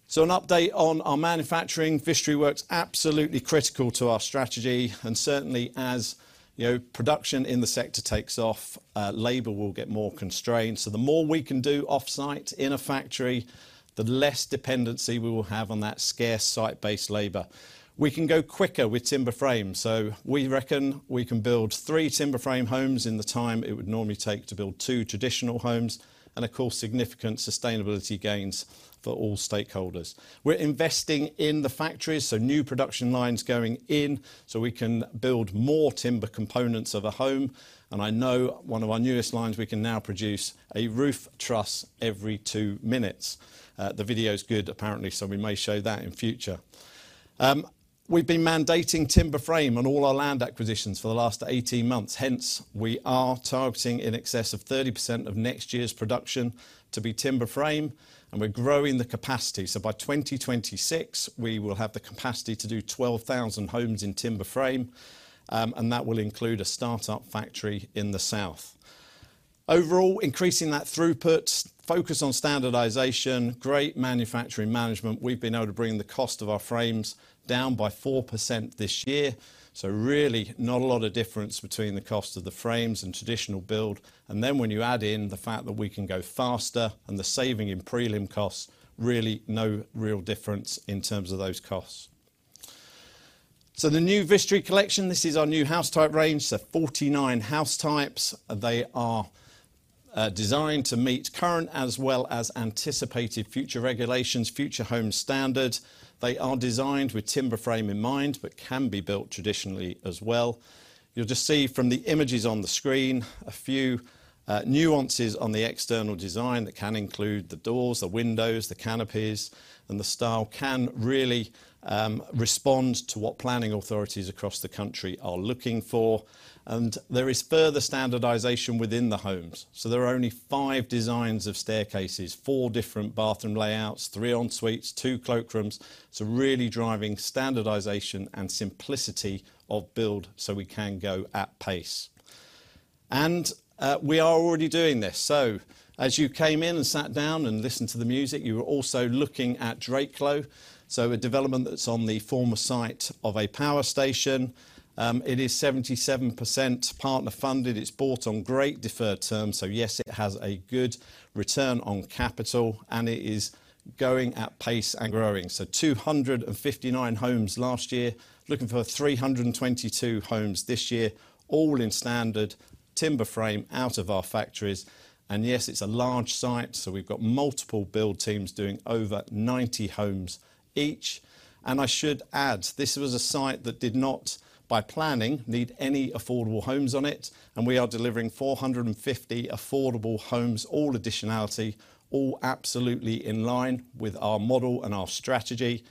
so an update on our manufacturing, Vistry Works, absolutely critical to our strategy, and certainly as, you know, production in the sector takes off, labor will get more constrained. So the more we can do off-site in a factory, the less dependency we will have on that scarce site-based labor. We can go quicker with timber frame, so we reckon we can build three timber frame homes in the time it would normally take to build two traditional homes, and of course, significant sustainability gains for all stakeholders. We're investing in the factories, so new production lines going in, so we can build more timber components of a home. And I know one of our newest lines, we can now produce a roof truss every two minutes. The video is good, apparently, so we may show that in future. We've been mandating timber frame on all our land acquisitions for the last eighteen months. Hence, we are targeting in excess of 30% of next year's production to be timber frame, and we're growing the capacity. So by 2026, we will have the capacity to do 12,000 homes in timber frame, and that will include a start-up factory in the south. Overall, increasing that throughput, focus on standardization, great manufacturing management, we've been able to bring the cost of our frames down by 4% this year. So really, not a lot of difference between the cost of the frames and traditional build. And then when you add in the fact that we can go faster and the saving in prelim costs, really no real difference in terms of those costs. So the new Vistry Collection, this is our new house type range. So 49 house types. They are designed to meet current as well as anticipated future regulations, Future Homes Standard. They are designed with timber frame in mind, but can be built traditionally as well. You'll just see from the images on the screen a few nuances on the external design that can include the doors, the windows, the canopies, and the style can really respond to what planning authorities across the country are looking for. And there is further standardization within the homes. So there are only five designs of staircases, four different bathroom layouts, three ensuites, two cloakrooms, so really driving standardization and simplicity of build so we can go at pace. And we are already doing this. So as you came in and sat down and listened to the music, you were also looking at Drakelow. So a development that's on the former site of a power station. It is 77% partner funded. It's bought on great deferred terms, so yes, it has a good return on capital, and it is going at pace and growing. So 259 homes last year, looking for 322 homes this year, all in standard timber frame out of our factories. And yes, it's a large site, so we've got multiple build teams doing over 90 homes each. And I should add, this was a site that did not, by planning, need any affordable homes on it, and we are delivering 450 affordable homes, all additionality, all absolutely in line with our model and our strategy,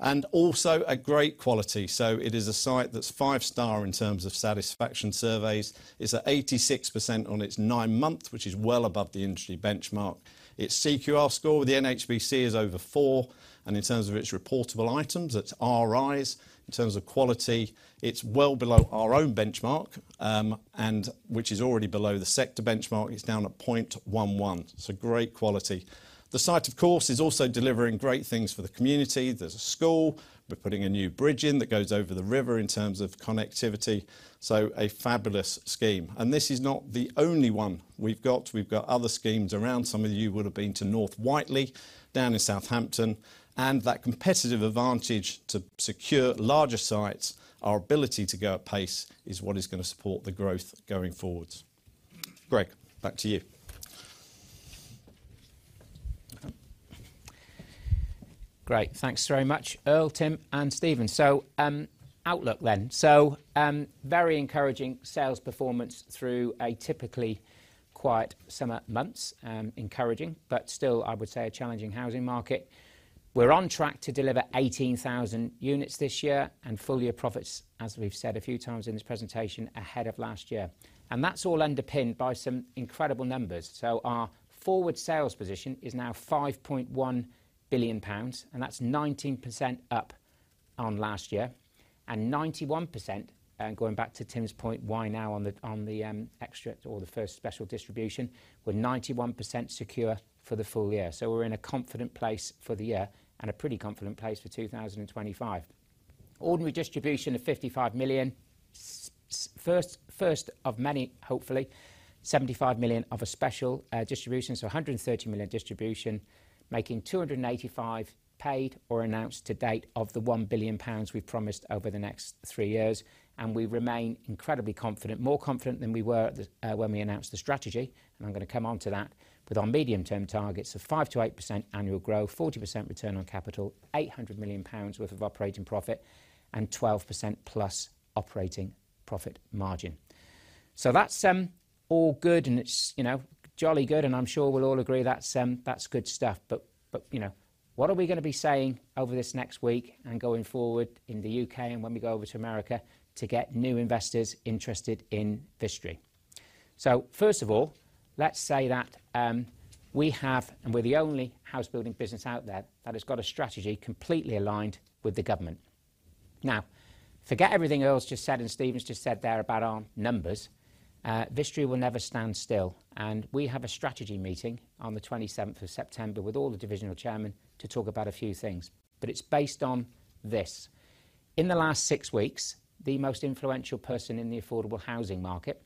and also a great quality. So it is a site that's five-star in terms of satisfaction surveys. It's at 86% on its nine-month, which is well above the industry benchmark. Its CQR score with the NHBC is over four, and in terms of its reportable items, its RIs, in terms of quality, it's well below our own benchmark, and which is already below the sector benchmark. It's down at 0.11, so great quality. The site, of course, is also delivering great things for the community. There's a school. We're putting a new bridge in that goes over the river in terms of connectivity. So a fabulous scheme. And this is not the only one we've got. We've got other schemes around. Some of you would have been to North Whiteley down in Southampton, and that competitive advantage to secure larger sites, our ability to go at pace, is what is going to support the growth going forwards. Greg, back to you. Great. Thanks very much, Earl, Tim, and Stephen. So, outlook then. So, very encouraging sales performance through a typically quiet summer months. Encouraging, but still, I would say, a challenging housing market. We're on track to deliver 18,000 units this year and full year profits, as we've said a few times in this presentation, ahead of last year. And that's all underpinned by some incredible numbers. So our forward sales position is now 5.1 billion pounds, and that's 19% up on last year, and 91%, going back to Tim's point, why now on the, on the, extra or the first special distribution? We're 91% secure for the full year, so we're in a confident place for the year and a pretty confident place for 2025. Ordinary distribution of 55 million. First of many, hopefully, 75 million of a special distribution, so a 130 million distribution, making 285 million paid or announced to date of the 1 billion pounds we've promised over the next three years, and we remain incredibly confident, more confident than we were at the when we announced the strategy, and I'm going to come on to that, with our medium-term targets of 5%-8% annual growth, 40% return on capital, 800 million pounds of operating profit, and 12% plus operating profit margin. So that's all good, and it's, you know, jolly good, and I'm sure we'll all agree that's that's good stuff. But, you know, what are we going to be saying over this next week and going forward in the U.K. and when we go over to America to get new investors interested in Vistry? So first of all, let's say that we have. And we're the only Housebuilding business out there that has got a strategy completely aligned with the government. Now, forget everything Earl's just said and Stephen's just said there about our numbers. Vistry will never stand still, and we have a strategy meeting on the 20-seventh of September with all the divisional chairman to talk about a few things, but it's based on this. In the last six weeks, the most influential person in the affordable housing market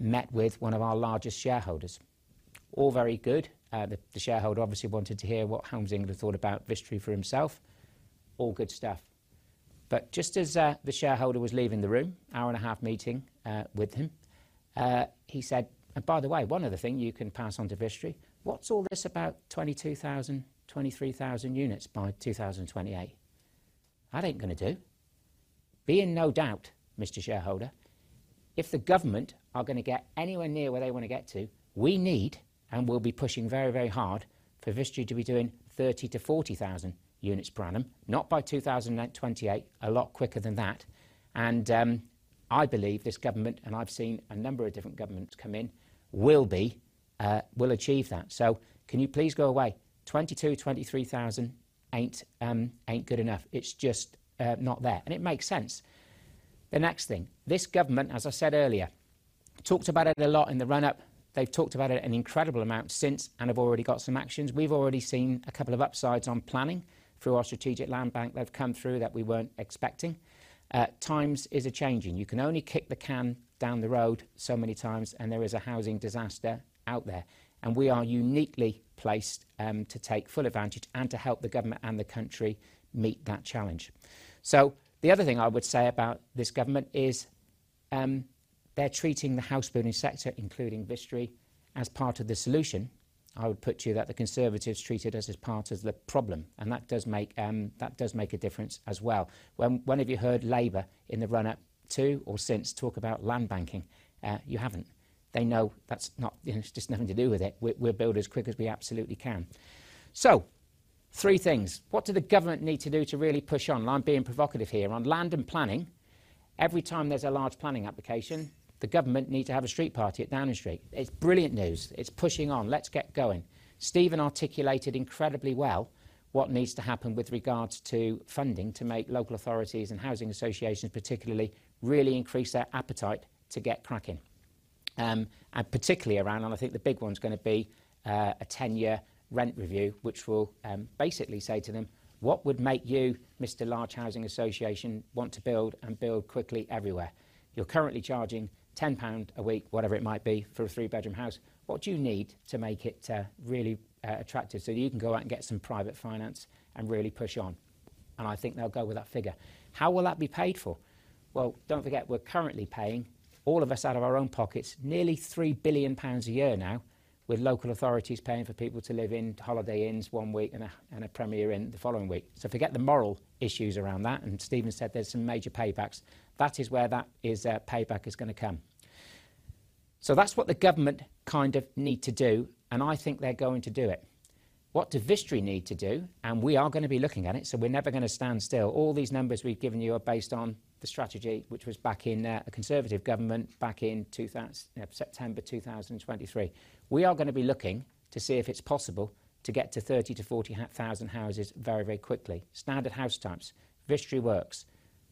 met with one of our largest shareholders. All very good. The shareholder obviously wanted to hear what Homes England thought about Vistry for himself. All good stuff. But just as the shareholder was leaving the room, hour and a half meeting with him, he said, "And by the way, one other thing you can pass on to Vistry, what's all this about 22,000, 23,000 units by 2028? That ain't gonna do." Be in no doubt, Mr. Shareholder, if the government are going to get anywhere near where they want to get to, we need, and we'll be pushing very, very hard for Vistry to be doing 30,000 to 40,000 units per annum, not by 2028, a lot quicker than that. And I believe this government, and I've seen a number of different governments come in, will achieve that. So can you please go away? 20-two, 20-three thousand ain't good enough. It's just not there, and it makes sense. The next thing, this government, as I said earlier, talked about it a lot in the run-up. They've talked about it an incredible amount since, and have already got some actions. We've already seen a couple of upsides on planning through our strategic land bank that have come through that we weren't expecting. Times is changing. You can only kick the can down the road so many times, and there is a housing disaster out there, and we are uniquely placed to take full advantage and to help the government and the country meet that challenge. So the other thing I would say about this government is, they're treating the housebuilding sector, including Vistry, as part of the solution. I would put to you that the Conservatives treated us as part of the problem, and that does make a difference as well. When have you heard Labour in the run-up to or since talk about land banking? You haven't. They know that's not, you know, it's just nothing to do with it. We'll build as quick as we absolutely can. So three things: What do the government need to do to really push on? I'm being provocative here. On land and planning, every time there's a large planning application, the government need to have a street party at Downing Street. It's brilliant news. It's pushing on. Let's get going. Stephen articulated incredibly well what needs to happen with regards to funding, to make local authorities and housing associations, particularly, really increase their appetite to get cracking. And particularly around, and I think the big one's going to be a ten-year rent review, which will basically say to them: "What would make you, Mr Large Housing Association, want to build and build quickly everywhere? You're currently charging 10 pound a week," whatever it might be, "for a three-bedroom house. What do you need to make it really attractive, so you can go out and get some private finance and really push on?" And I think they'll go with that figure. How will that be paid for? Well, don't forget, we're currently paying, all of us out of our own pockets, nearly 3 billion pounds a year now, with local authorities paying for people to live in Holiday Inns one week and a Premier Inn the following week. So forget the moral issues around that, and Stephen said there's some major paybacks. That is where payback is gonna come so that's what the government kind of need to do, and I think they're going to do it. What do Vistry need to do and we are gonna be looking at it, so we're never gonna stand still. All these numbers we've given you are based on the strategy, which was back in a Conservative government back in September 2023. We are gonna be looking to see if it's possible to get to 30-40 thousand houses very, very quickly. Standard house types, Vistry Works.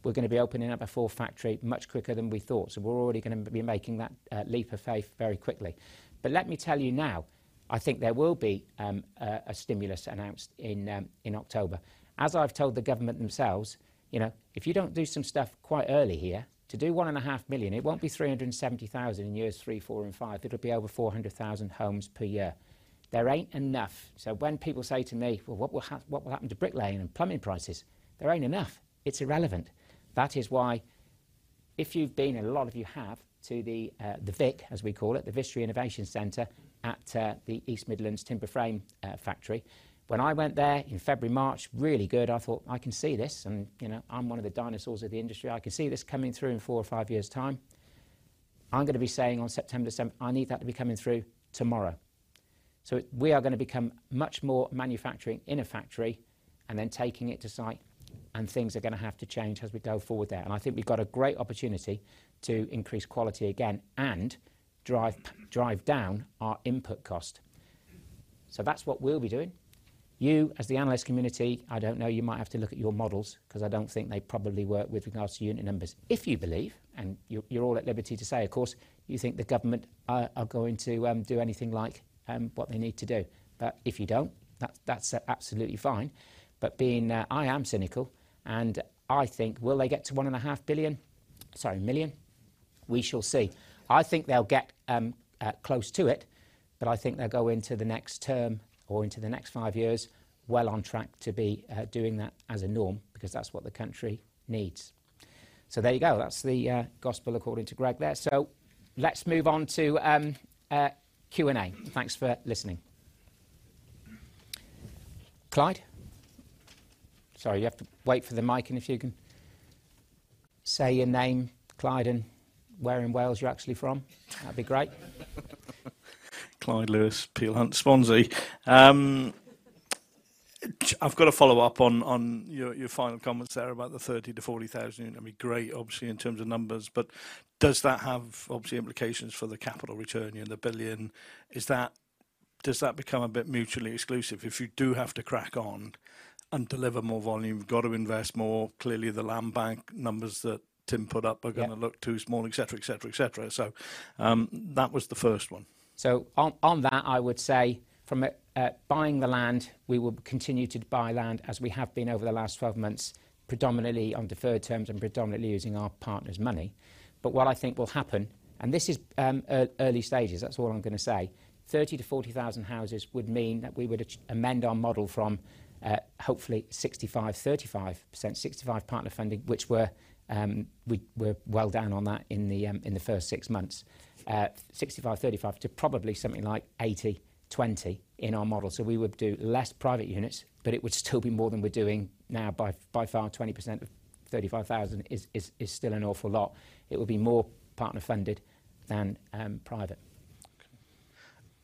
We're gonna be opening up a fourth factory much quicker than we thought so we're already gonna be making that leap of faith very quickly but let me tell you now, I think there will be a stimulus announced in October. As I've told the government themselves, you know, "If you don't do some stuff quite early here, to do 1.5 million, it won't be 370,000 in years 3, 4, and 5. It'll be over 400,000 homes per year." There ain't enough. So when people say to me, "Well, what will happen to bricklaying and plumbing prices?" There ain't enough. It's irrelevant. That is why if you've been, and a lot of you have, to the VIC, as we call it, the Vistry Innovation Centre at the East Midlands timber frame factory. When I went there in February, March, really good. I thought, "I can see this," and, you know, I'm one of the dinosaurs of the industry. I can see this coming through in four or five years' time. I'm gonna be saying on September the seventh, "I need that to be coming through tomorrow." So we are gonna become much more manufacturing in a factory and then taking it to site, and things are gonna have to change as we go forward there. And I think we've got a great opportunity to increase quality again and drive down our input cost. So that's what we'll be doing. You, as the analyst community, I don't know, you might have to look at your models, 'cause I don't think they probably work with regards to unit numbers. If you believe, and you're all at liberty to say, of course, you think the government are going to do anything like what they need to do. But if you don't, that's absolutely fine. But being, I am cynical, and I think, will they get to one and a half billion? Sorry, million? We shall see. I think they'll get close to it, but I think they'll go into the next term or into the next five years well on track to be doing that as a norm, because that's what the country needs. So there you go. That's the gospel according to Greg there. So let's move on to Q&A. Thanks for listening. Clyde? Sorry, you have to wait for the mic, and if you can say your name, Clyde, and where in Wales you're actually from, that'd be great. Clyde Lewis, Peel Hunt, Swansea. I've got a follow-up on your final comments there about the 30-40 thousand. I mean, great, obviously, in terms of numbers, but does that have obvious implications for the capital return? You know, the billion, is that. Does that become a bit mutually exclusive if you do have to crack on and deliver more volume? You've got to invest more. Clearly, the land bank numbers that Tim put up. Yeah Are gonna look too small, et cetera, et cetera, et cetera. So, that was the first one. So on that, I would say from buying the land, we will continue to buy land as we have been over the last 12 months, predominantly on deferred terms and predominantly using our partners' money. But what I think will happen, and this is early stages, that's all I'm gonna say, 30-40 thousand houses would mean that we would amend our model from hopefully 65%/35%. 65% partner funding, which we're well down on that in the first 6 months. 65%/35% to probably something like 80%/20% in our model. So we would do less private units, but it would still be more than we're doing now by far. 20% of 35,000 is still an awful lot. It would be more partner funded than private.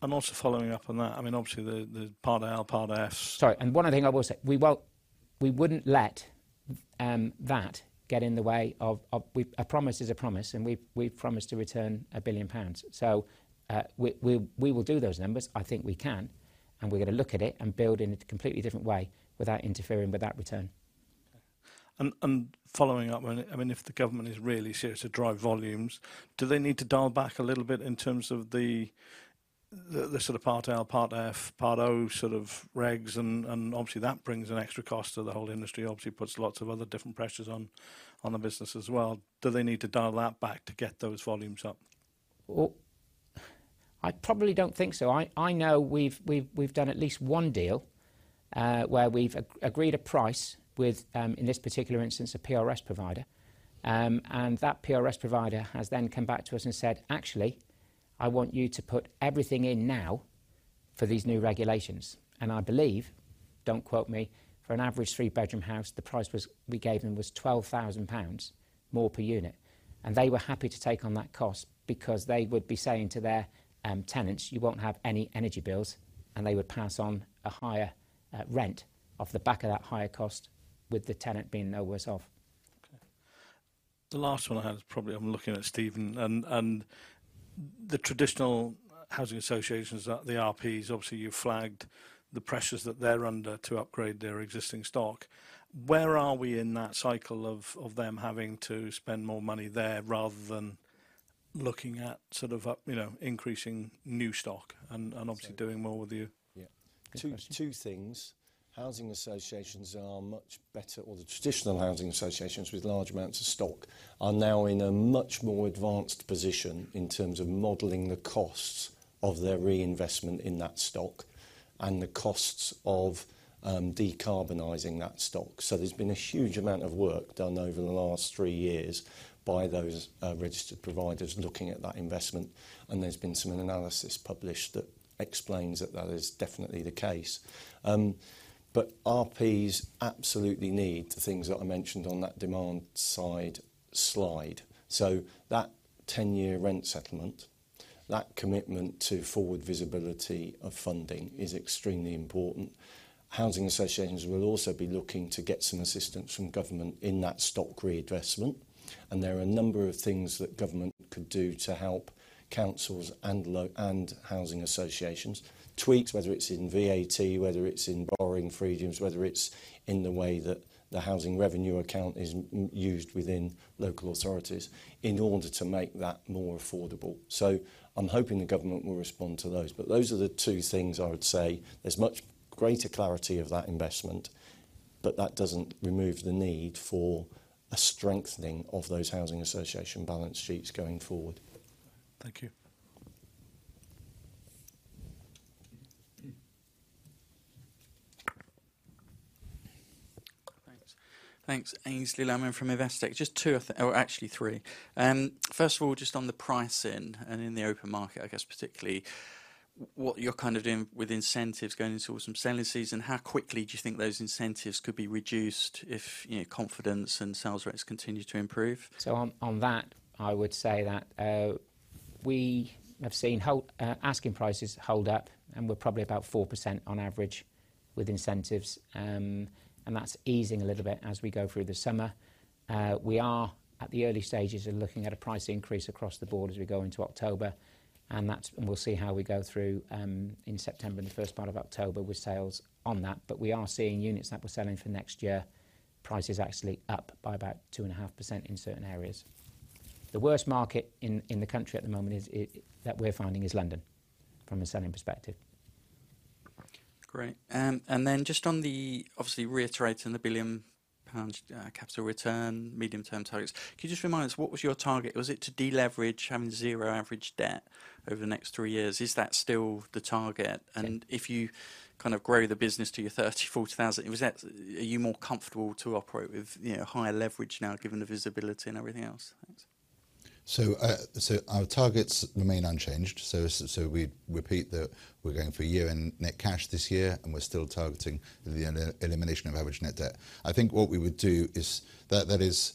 Okay. And also following up on that, I mean, obviously, the Part L, Part F's- Sorry, and one other thing I will say: We won't, we wouldn't let that get in the way of a promise is a promise, and we've promised to return 1 billion pounds. So, we will do those numbers. I think we can, and we're gonna look at it and build in a completely different way without interfering with that return. And following up on it, I mean, if the government is really serious to drive volumes, do they need to dial back a little bit in terms of the sort of Part L, Part F, Part O sort of regs? And obviously, that brings an extra cost to the whole industry. Obviously, puts lots of other different pressures on the business as well. Do they need to dial that back to get those volumes up? Well, I probably don't think so. I know we've done at least one deal, where we've agreed a price with, in this particular instance, a PRS provider. And that PRS provider has then come back to us and said: "Actually, I want you to put everything in now for these new regulations." And I believe, don't quote me, for an average three-bedroom house, the price we gave them was 12,000 pounds more per unit, and they were happy to take on that cost because they would be saying to their tenants: "You won't have any energy bills," and they would pass on a higher rent off the back of that higher cost, with the tenant being no worse off. Okay. The last one I have is probably. I'm looking at Stephen. And the traditional housing associations, the RPs, obviously, you flagged the pressures that they're under to upgrade their existing stock. Where are we in that cycle of them having to spend more money there, rather than looking at sort of up, you know, increasing new stock and obviously doing more with you? Yeah. Good question. Two things. Housing associations are much better, or the traditional housing associations with large amounts of stock, are now in a much more advanced position in terms of modeling the costs of their reinvestment in that stock and the costs of decarbonizing that stock. So there's been a huge amount of work done over the last three years by those registered providers looking at that investment, and there's been some analysis published that explains that that is definitely the case. But RPs absolutely need the things that I mentioned on that demand side slide. So that ten-year rent settlement, that commitment to forward visibility of funding is extremely important. Housing associations will also be looking to get some assistance from government in that stock reinvestment, and there are a number of things that government could do to help councils and housing associations. Tweaks, whether it's in VAT, whether it's in borrowing freedoms, whether it's in the way that the Housing Revenue Account is used within local authorities, in order to make that more affordable. So I'm hoping the government will respond to those, but those are the two things I would say. There's much greater clarity of that investment, but that doesn't remove the need for a strengthening of those housing association balance sheets going forward. Thank you. Thanks. Thanks. Aynsley Lammin from Investec. Just two or actually three. First of all, just on the pricing and in the open market, I guess particularly, what you're kind of doing with incentives going into some selling season, how quickly do you think those incentives could be reduced if, you know, confidence and sales rates continue to improve? On that, I would say that we have seen asking prices hold up, and we're probably about 4% on average with incentives. And that's easing a little bit as we go through the summer. We are at the early stages of looking at a price increase across the board as we go into October, and that's and we'll see how we go through in September and the first part of October with sales on that. But we are seeing units that we're selling for next year, prices actually up by about 2.5% in certain areas. The worst market in the country at the moment is that we're finding is London, from a selling perspective. Great. And then just on the, obviously, reiterating the 1 billion pound, capital return, medium-term targets, can you just remind us, what was your target? Was it to deleverage, having zero average debt over the next three years? Is that still the target? Yeah. If you kind of grow the business to your 30-40 thousand, are you more comfortable to operate with, you know, higher leverage now, given the visibility and everything else? Thanks. So our targets remain unchanged. So we repeat that we're going for a year-end net cash this year, and we're still targeting the elimination of average net debt. I think what we would do is, that is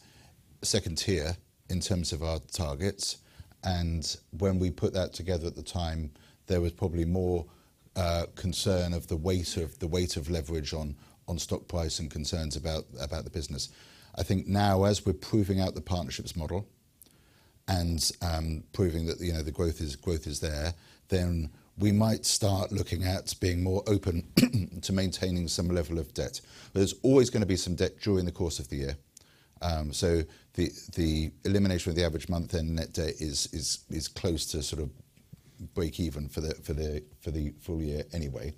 second tier in terms of our targets, and when we put that together at the time, there was probably more concern of the weight of leverage on stock price and concerns about the business. I think now, as we're proving out the partnerships model and proving that, you know, the growth is there, then we might start looking at being more open to maintaining some level of debt. There's always gonna be some debt during the course of the year. So the elimination of the average month-end net debt is close to sort of breakeven for the full year anyway.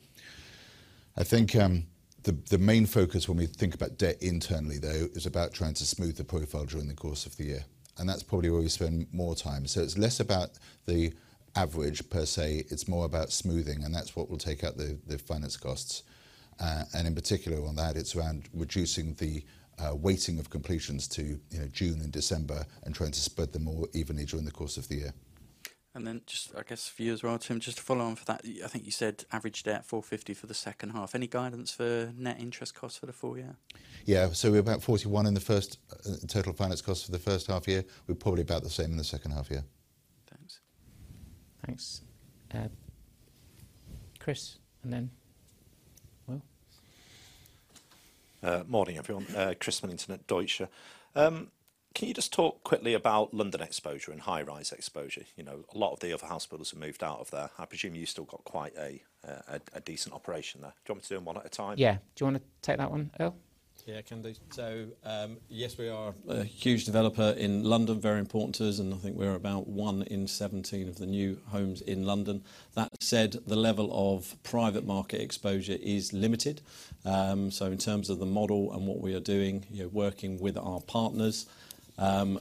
I think the main focus when we think about debt internally, though, is about trying to smooth the profile during the course of the year, and that's probably where we spend more time. So it's less about the average per se. It's more about smoothing, and that's what will take out the finance costs. And in particular, on that, it's around reducing the weighting of completions to, you know, June and December, and trying to spread them more evenly during the course of the year. Then just, I guess, for you as well, Tim, just to follow on from that, I think you said average debt at 450 for the second half. Any guidance for net interest costs for the full year? Yeah. So we're about 41 in the first, total finance costs for the first half year. We're probably about the same in the second half year. Thanks. Thanks. Chris, and then Will. Morning, everyone. Chris Millington at Deutsche. Can you just talk quickly about London exposure and high-rise exposure? You know, a lot of the other house builders have moved out of there. I presume you've still got quite a decent operation there. Do you want me to do them one at a time? Yeah. Do you want to take that one, Earl? Yeah, I can do. So, yes, we are a huge developer in London, very important to us, and I think we're about one in seventeen of the new homes in London. That said, the level of private market exposure is limited. So in terms of the model and what we are doing, we are working with our partners.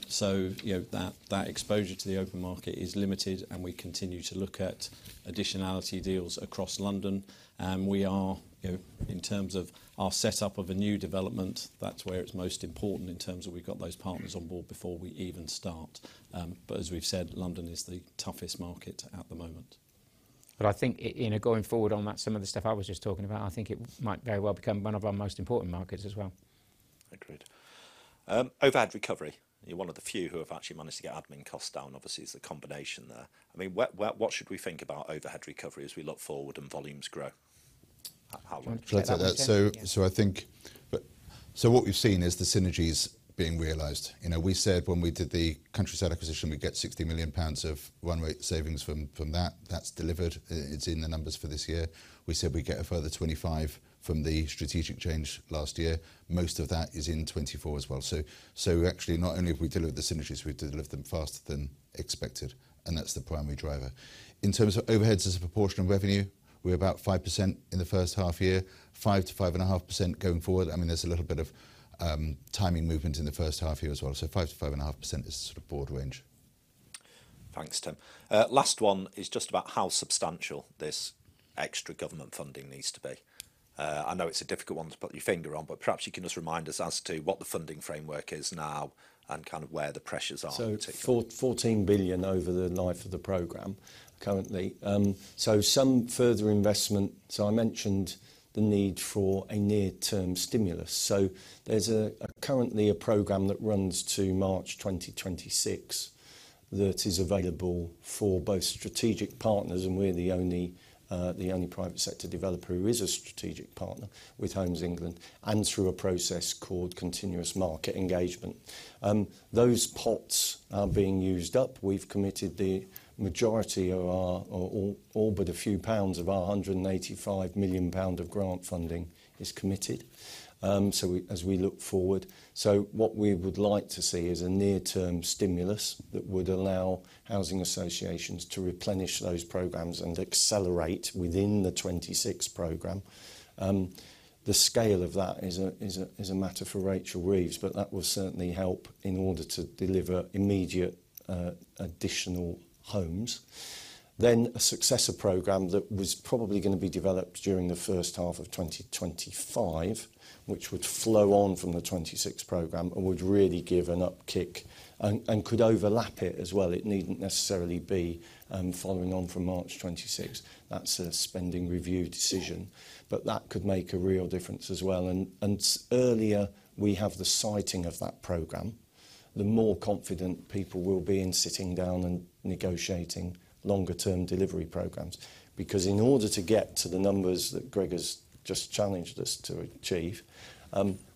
So you know, that exposure to the open market is limited, and we continue to look at additionality deals across London. And we are, you know, in terms of our setup of a new development, that's where it's most important in terms of we've got those partners on board before we even start. But as we've said, London is the toughest market at the moment. But I think you know, going forward on that, some of the stuff I was just talking about, I think it might very well become one of our most important markets as well. Agreed. Overhead recovery. You're one of the few who have actually managed to get admin costs down. Obviously, it's a combination there. I mean, what should we think about overhead recovery as we look forward and volumes grow? How Do you want to take that one, Tim? What we've seen is the synergies being realized. You know, we said when we did the Countryside acquisition, we'd get 60 million pounds of run rate savings from that. That's delivered. It's in the numbers for this year. We said we'd get a further 25 million from the strategic change last year. Most of that is in 2024 as well. Actually, not only have we delivered the synergies, we've delivered them faster than expected, and that's the primary driver. In terms of overheads as a proportion of revenue, we're about 5% in the first half year, 5% to 5.5% going forward. I mean, there's a little bit of timing movement in the first half year as well. Five to 5.5% is the sort of broad range. Thanks, Tim. Last one is just about how substantial this extra government funding needs to be. I know it's a difficult one to put your finger on, but perhaps you can just remind us as to what the funding framework is now and kind of where the pressures are. 14 billion over the life of the program currently. Some further investment, so I mentioned the need for a near-term stimulus. There's currently a program that runs to March 2026 that is available for both strategic partners, and we're the only private sector developer who is a strategic partner with Homes England, and through a process called Continuous Market Engagement. Those pots are being used up. We've committed all but a few pounds of our 185 million pounds of grant funding is committed, so as we look forward. What we would like to see is a near-term stimulus that would allow housing associations to replenish those programs and accelerate within the '26 program. The scale of that is a matter for Rachel Reeves, but that will certainly help in order to deliver immediate additional homes. Then, a successor program that was probably going to be developed during the first half of 2025, which would flow on from the 2026 program and would really give an upkick and could overlap it as well. It needn't necessarily be following on from March 2026. That's a spending review decision, but that could make a real difference as well. And earlier we have the siting of that program, the more confident people will be in sitting down and negotiating longer-term delivery programs. Because in order to get to the numbers that Greg has just challenged us to achieve,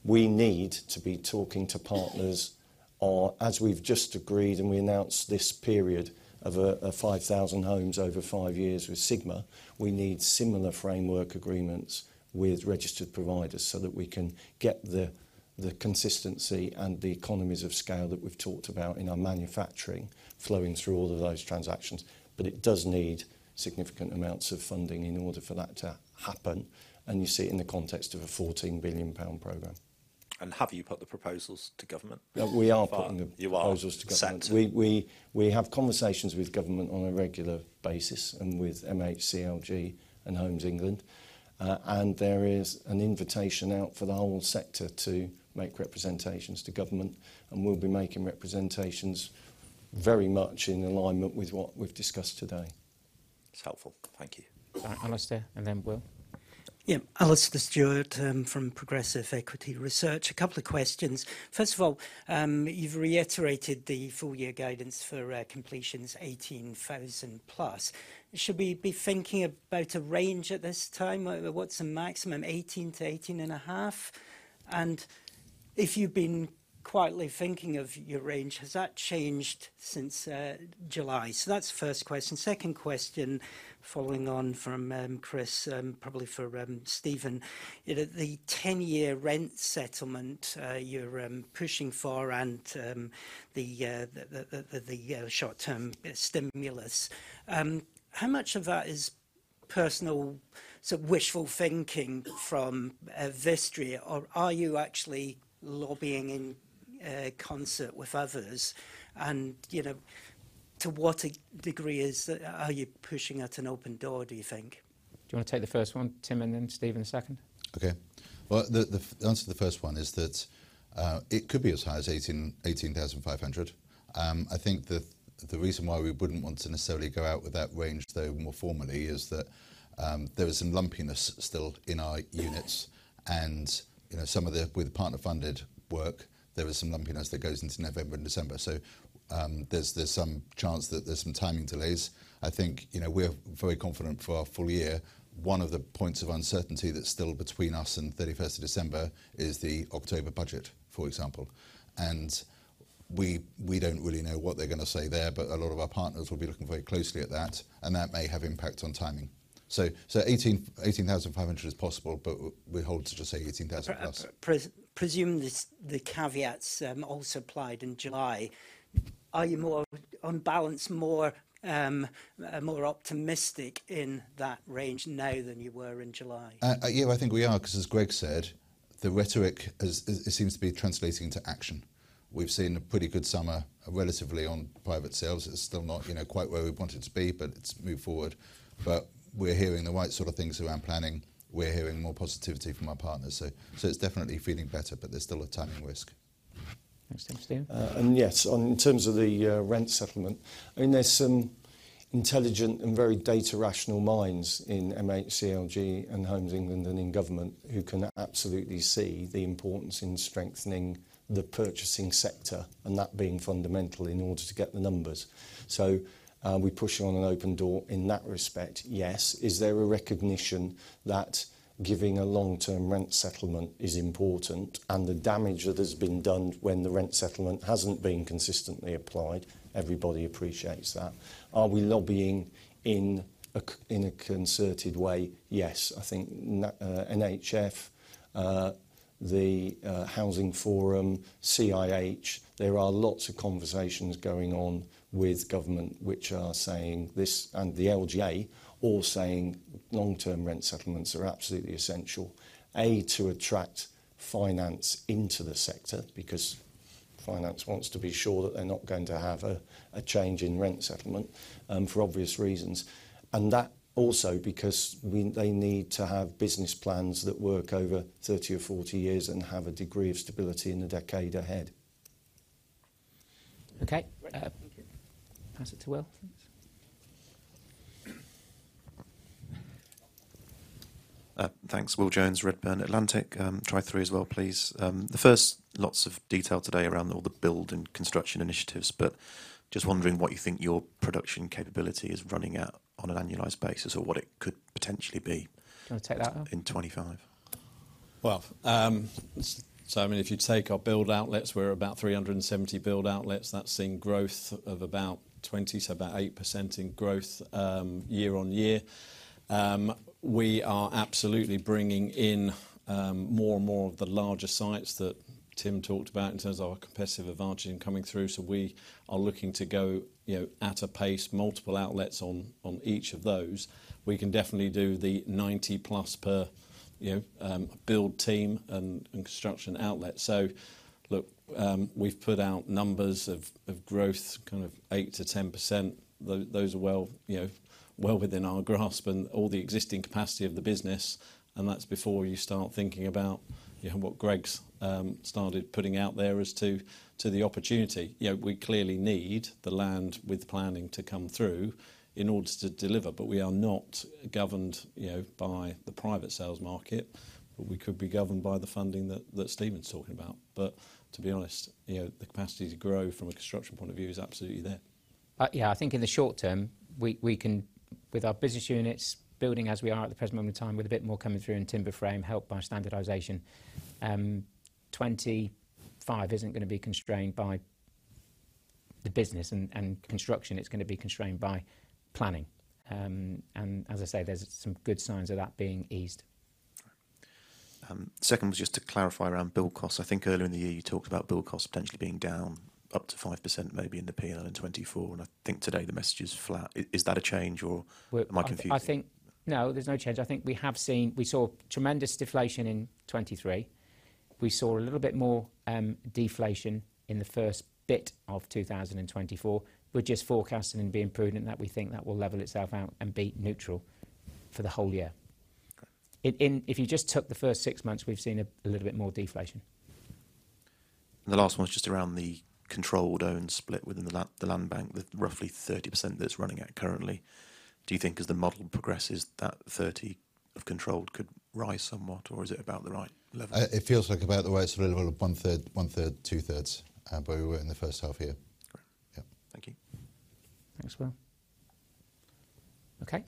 we need to be talking to partners or, as we've just agreed, and we announced this period of a five thousand homes over five years with Sigma, we need similar framework agreements with registered providers so that we can get the consistency and the economies of scale that we've talked about in our manufacturing flowing through all of those transactions. But it does need significant amounts of funding in order for that to happen, and you see it in the context of a 14 billion pound program. Have you put the proposals to government? We are putting the- You are- Proposals to government. We have conversations with government on a regular basis and with MHCLG and Homes England, and there is an invitation out for the whole sector to make representations to government, and we'll be making representations very much in alignment with what we've discussed today. It's helpful. Thank you. Alasdair, and then Will. Yeah, Alastair Stewart from Progressive Equity Research. A couple of questions. First of all, you've reiterated the full year guidance for completions 18,000 plus. Should we be thinking about a range at this time? What's the maximum, 18,000 to 18,500? And if you've been quietly thinking of your range, has that changed since July? So that's the first question. Second question, following on from Chris, probably for Stephen. You know, the ten-year rent settlement you're pushing for and the short-term stimulus. How much of that is personal, sort of wishful thinking from Vistry, or are you actually lobbying in concert with others? And, you know, to what degree are you pushing at an open door, do you think? Do you want to take the first one, Tim, and then Steve in a second? Okay. The answer to the first one is that it could be as high as 18, 18,500. I think that the reason why we wouldn't want to necessarily go out with that range, though more formally, is that there is some lumpiness still in our units and, you know, some of the with partner-funded work, there is some lumpiness that goes into November and December. So, there's some chance that there's some timing delays. I think, you know, we're very confident for our full year. One of the points of uncertainty that's still between us and 30-first of December is the October budget, for example. And we don't really know what they're gonna say there, but a lot of our partners will be looking very closely at that, and that may have impact on timing. Eighteen thousand five hundred is possible, but we're loath to just say eighteen thousand plus. Presumably, the caveats also applied in July. Are you more, on balance, optimistic in that range now than you were in July? Yeah, I think we are, 'cause as Greg said, the rhetoric is it seems to be translating into action. We've seen a pretty good summer, relatively, on private sales. It's still not, you know, quite where we want it to be, but it's moved forward. We're hearing the right sort of things around planning. We're hearing more positivity from our partners, so it's definitely feeling better, but there's still a timing risk. Thanks, Tim. Stephen? And yes, on in terms of the rent settlement, I mean, there's some intelligent and very data rational minds in MHCLG and Homes England and in government, who can absolutely see the importance in strengthening the purchasing sector, and that being fundamental in order to get the numbers. So, we're pushing on an open door in that respect. Yes. Is there a recognition that giving a long-term rent settlement is important, and the damage that has been done when the rent settlement hasn't been consistently applied? Everybody appreciates that. Are we lobbying in a concerted way? Yes. I think NHF, the Housing Forum, CIH, there are lots of conversations going on with government, which are saying this, and the LGA, all saying long-term rent settlements are absolutely essential, A, to attract finance into the sector, because finance wants to be sure that they're not going to have a, a change in rent settlement, for obvious reasons. And that also because they need to have business plans that work over 30 or 40 years and have a degree of stability in the decade ahead. Okay. Pass it to Will. Thanks. Will Jones, Redburn Atlantic. Try three as well, please. The first, lots of detail today around all the build and construction initiatives, but just wondering what you think your production capability is running at on an annualized basis, or what it could potentially be? Do you want to take that one? in 2025? So I mean, if you take our build outlets, we're about 370 build outlets. That's seeing growth of about 20, so about 8% in growth, year on year. We are absolutely bringing in, more and more of the larger sites that Tim talked about in terms of our competitive advantage in coming through. So we are looking to go, you know, at a pace, multiple outlets on, on each of those. We can definitely do the 90+ per, you know, build team and, and construction outlet. So look, we've put out numbers of, of growth, kind of 8%-10%. Those are well, you know, well within our grasp and all the existing capacity of the business, and that's before you start thinking about, you know, what Greg's started putting out there as to the opportunity. You know, we clearly need the land with planning to come through in order to deliver, but we are not governed, you know, by the private sales market, but we could be governed by the funding that Stephen's talking about. But to be honest, you know, the capacity to grow from a construction point of view is absolutely there. Yeah, I think in the short term, we can, with our business units building as we are at the present moment in time, with a bit more coming through in timber frame, helped by standardization, 25 isn't going to be constrained by the business and construction, it's going to be constrained by planning, and as I say, there's some good signs of that being eased. Second was just to clarify around build costs. I think earlier in the year, you talked about build costs potentially being down up to 5%, maybe in the P&L in 2024, and I think today the message is flat. Is that a change or am I confused? I think. No, there's no change. I think we have seen. We saw tremendous deflation in 2023. We saw a little bit more deflation in the first bit of 2024. We're just forecasting and being prudent that we think that will level itself out and be neutral for the whole year. Great. If you just took the first six months, we've seen a little bit more deflation. The last one is just around the controlled owned split within the land bank, with roughly 30% that's running at currently. Do you think as the model progresses, that 30% of controlled could rise somewhat, or is it about the right level? It feels like about the right level of one-third, one-third, two-thirds, but we were in the first half year. Great. Yeah. Thank you. Thanks, Will. Okay.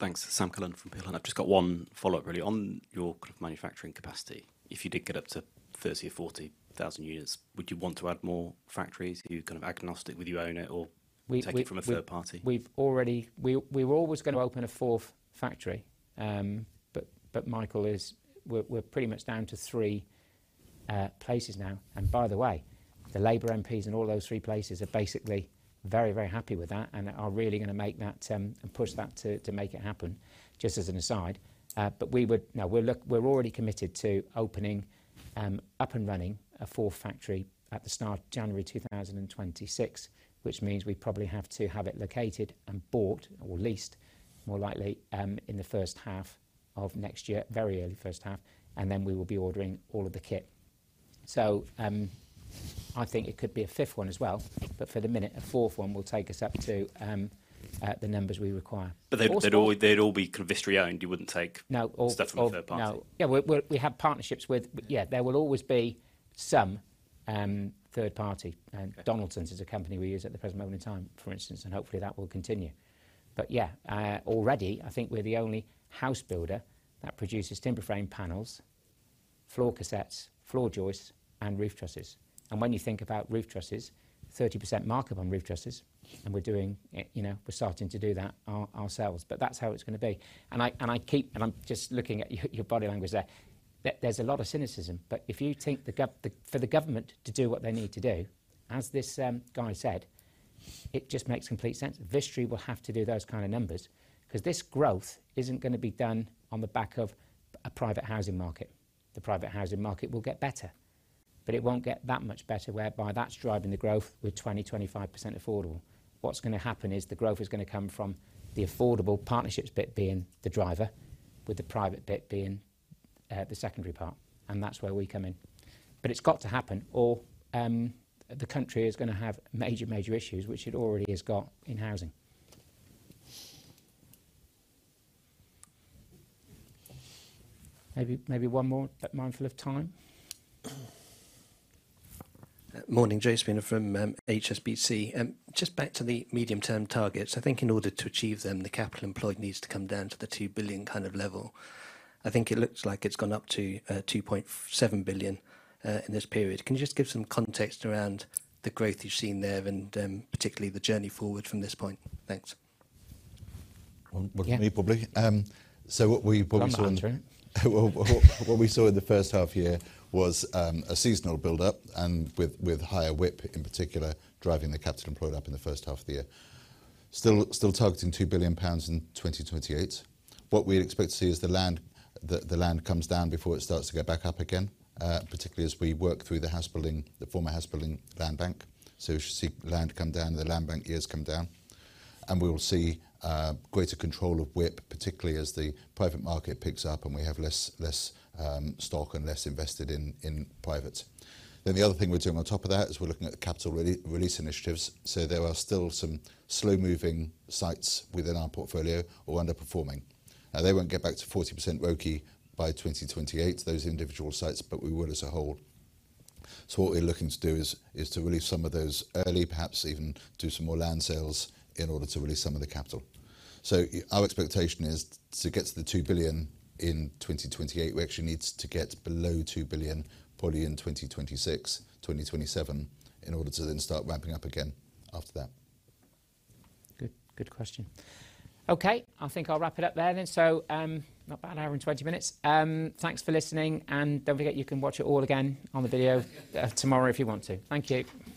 Thanks. Sam Cullen from Peel Hunt. I've just got one follow-up, really. On your kind of manufacturing capacity, if you did get up to 30 or 40 thousand units, would you want to add more factories? Are you kind of agnostic, would you own it or- We- Take it from a third party? We were always going to open a fourth factory. But we're pretty much down to three places now. By the way, the Labour MPs in all those three places are basically very, very happy with that and are really gonna make that and push that to make it happen, just as an aside. We're already committed to opening up and running a fourth factory at the start of January 2026, which means we probably have to have it located and bought, or leased, more likely, in the first half of next year, very early first half, and then we will be ordering all of the kit. So, I think it could be a fifth one as well, but for the minute, a fourth one will take us up to the numbers we require. But they'd all be kind of historically owned. You wouldn't take. No. Stuff from a third party? No. Yeah, we're we have partnerships with. Yeah, there will always be some third party. Donaldson is a company we use at the present moment in time, for instance, and hopefully that will continue. But yeah, already, I think we're the only house builder that produces timber frame panels, floor cassettes, floor joists, and roof trusses. And when you think about roof trusses, 30% markup on roof trusses, and we're doing, you know, we're starting to do that ourselves, but that's how it's gonna be. And I'm just looking at your body language there. There's a lot of cynicism, but if you think, for the government to do what they need to do, as this guy said, it just makes complete sense. Vistry will have to do those kind of numbers 'cause this growth isn't gonna be done on the back of a private housing market. The private housing market will get better, but it won't get that much better, whereby that's driving the growth with 20-25% affordable. What's gonna happen is the growth is gonna come from the affordable partnerships bit being the driver, with the private bit being the secondary part, and that's where we come in, but it's got to happen, or the country is gonna have major, major issues, which it already has got in housing. Maybe, maybe one more, but mindful of time. Morning, Jason from, HSBC. Just back to the medium-term targets. I think in order to achieve them, the capital employed needs to come down to the two billion kind of level. I think it looks like it's gone up to, two point seven billion, in this period. Can you just give some context around the growth you've seen there and, particularly the journey forward from this point? Thanks. Me probably. So what we saw in Go on, Andrew. What we saw in the first half year was a seasonal build-up, and with higher WIP, in particular, driving the capital employed up in the first half of the year. Still targeting 2 billion pounds in 2028. What we'd expect to see is the land comes down before it starts to go back up again, particularly as we work through the Housebuilding, the former Housebuilding land bank. So we should see land come down, and the land bank years come down, and we will see greater control of WIP, particularly as the private market picks up, and we have less stock and less invested in private, the other thing we're doing on top of that is we're looking at the capital release initiatives. So there are still some slow-moving sites within our portfolio or underperforming. Now, they won't get back to 40% ROCE by 2028, those individual sites, but we will as a whole. So what we're looking to do is to release some of those early, perhaps even do some more land sales in order to release some of the capital. So our expectation is to get to the 2 billion in 2028, we actually needs to get below 2 billion, probably in 2026-2027, in order to then start ramping up again after that. Good, good question. Okay, I think I'll wrap it up there then. So, not bad, an hour and 20 minutes. Thanks for listening, and don't forget, you can watch it all again on the video, tomorrow, if you want to. Thank you.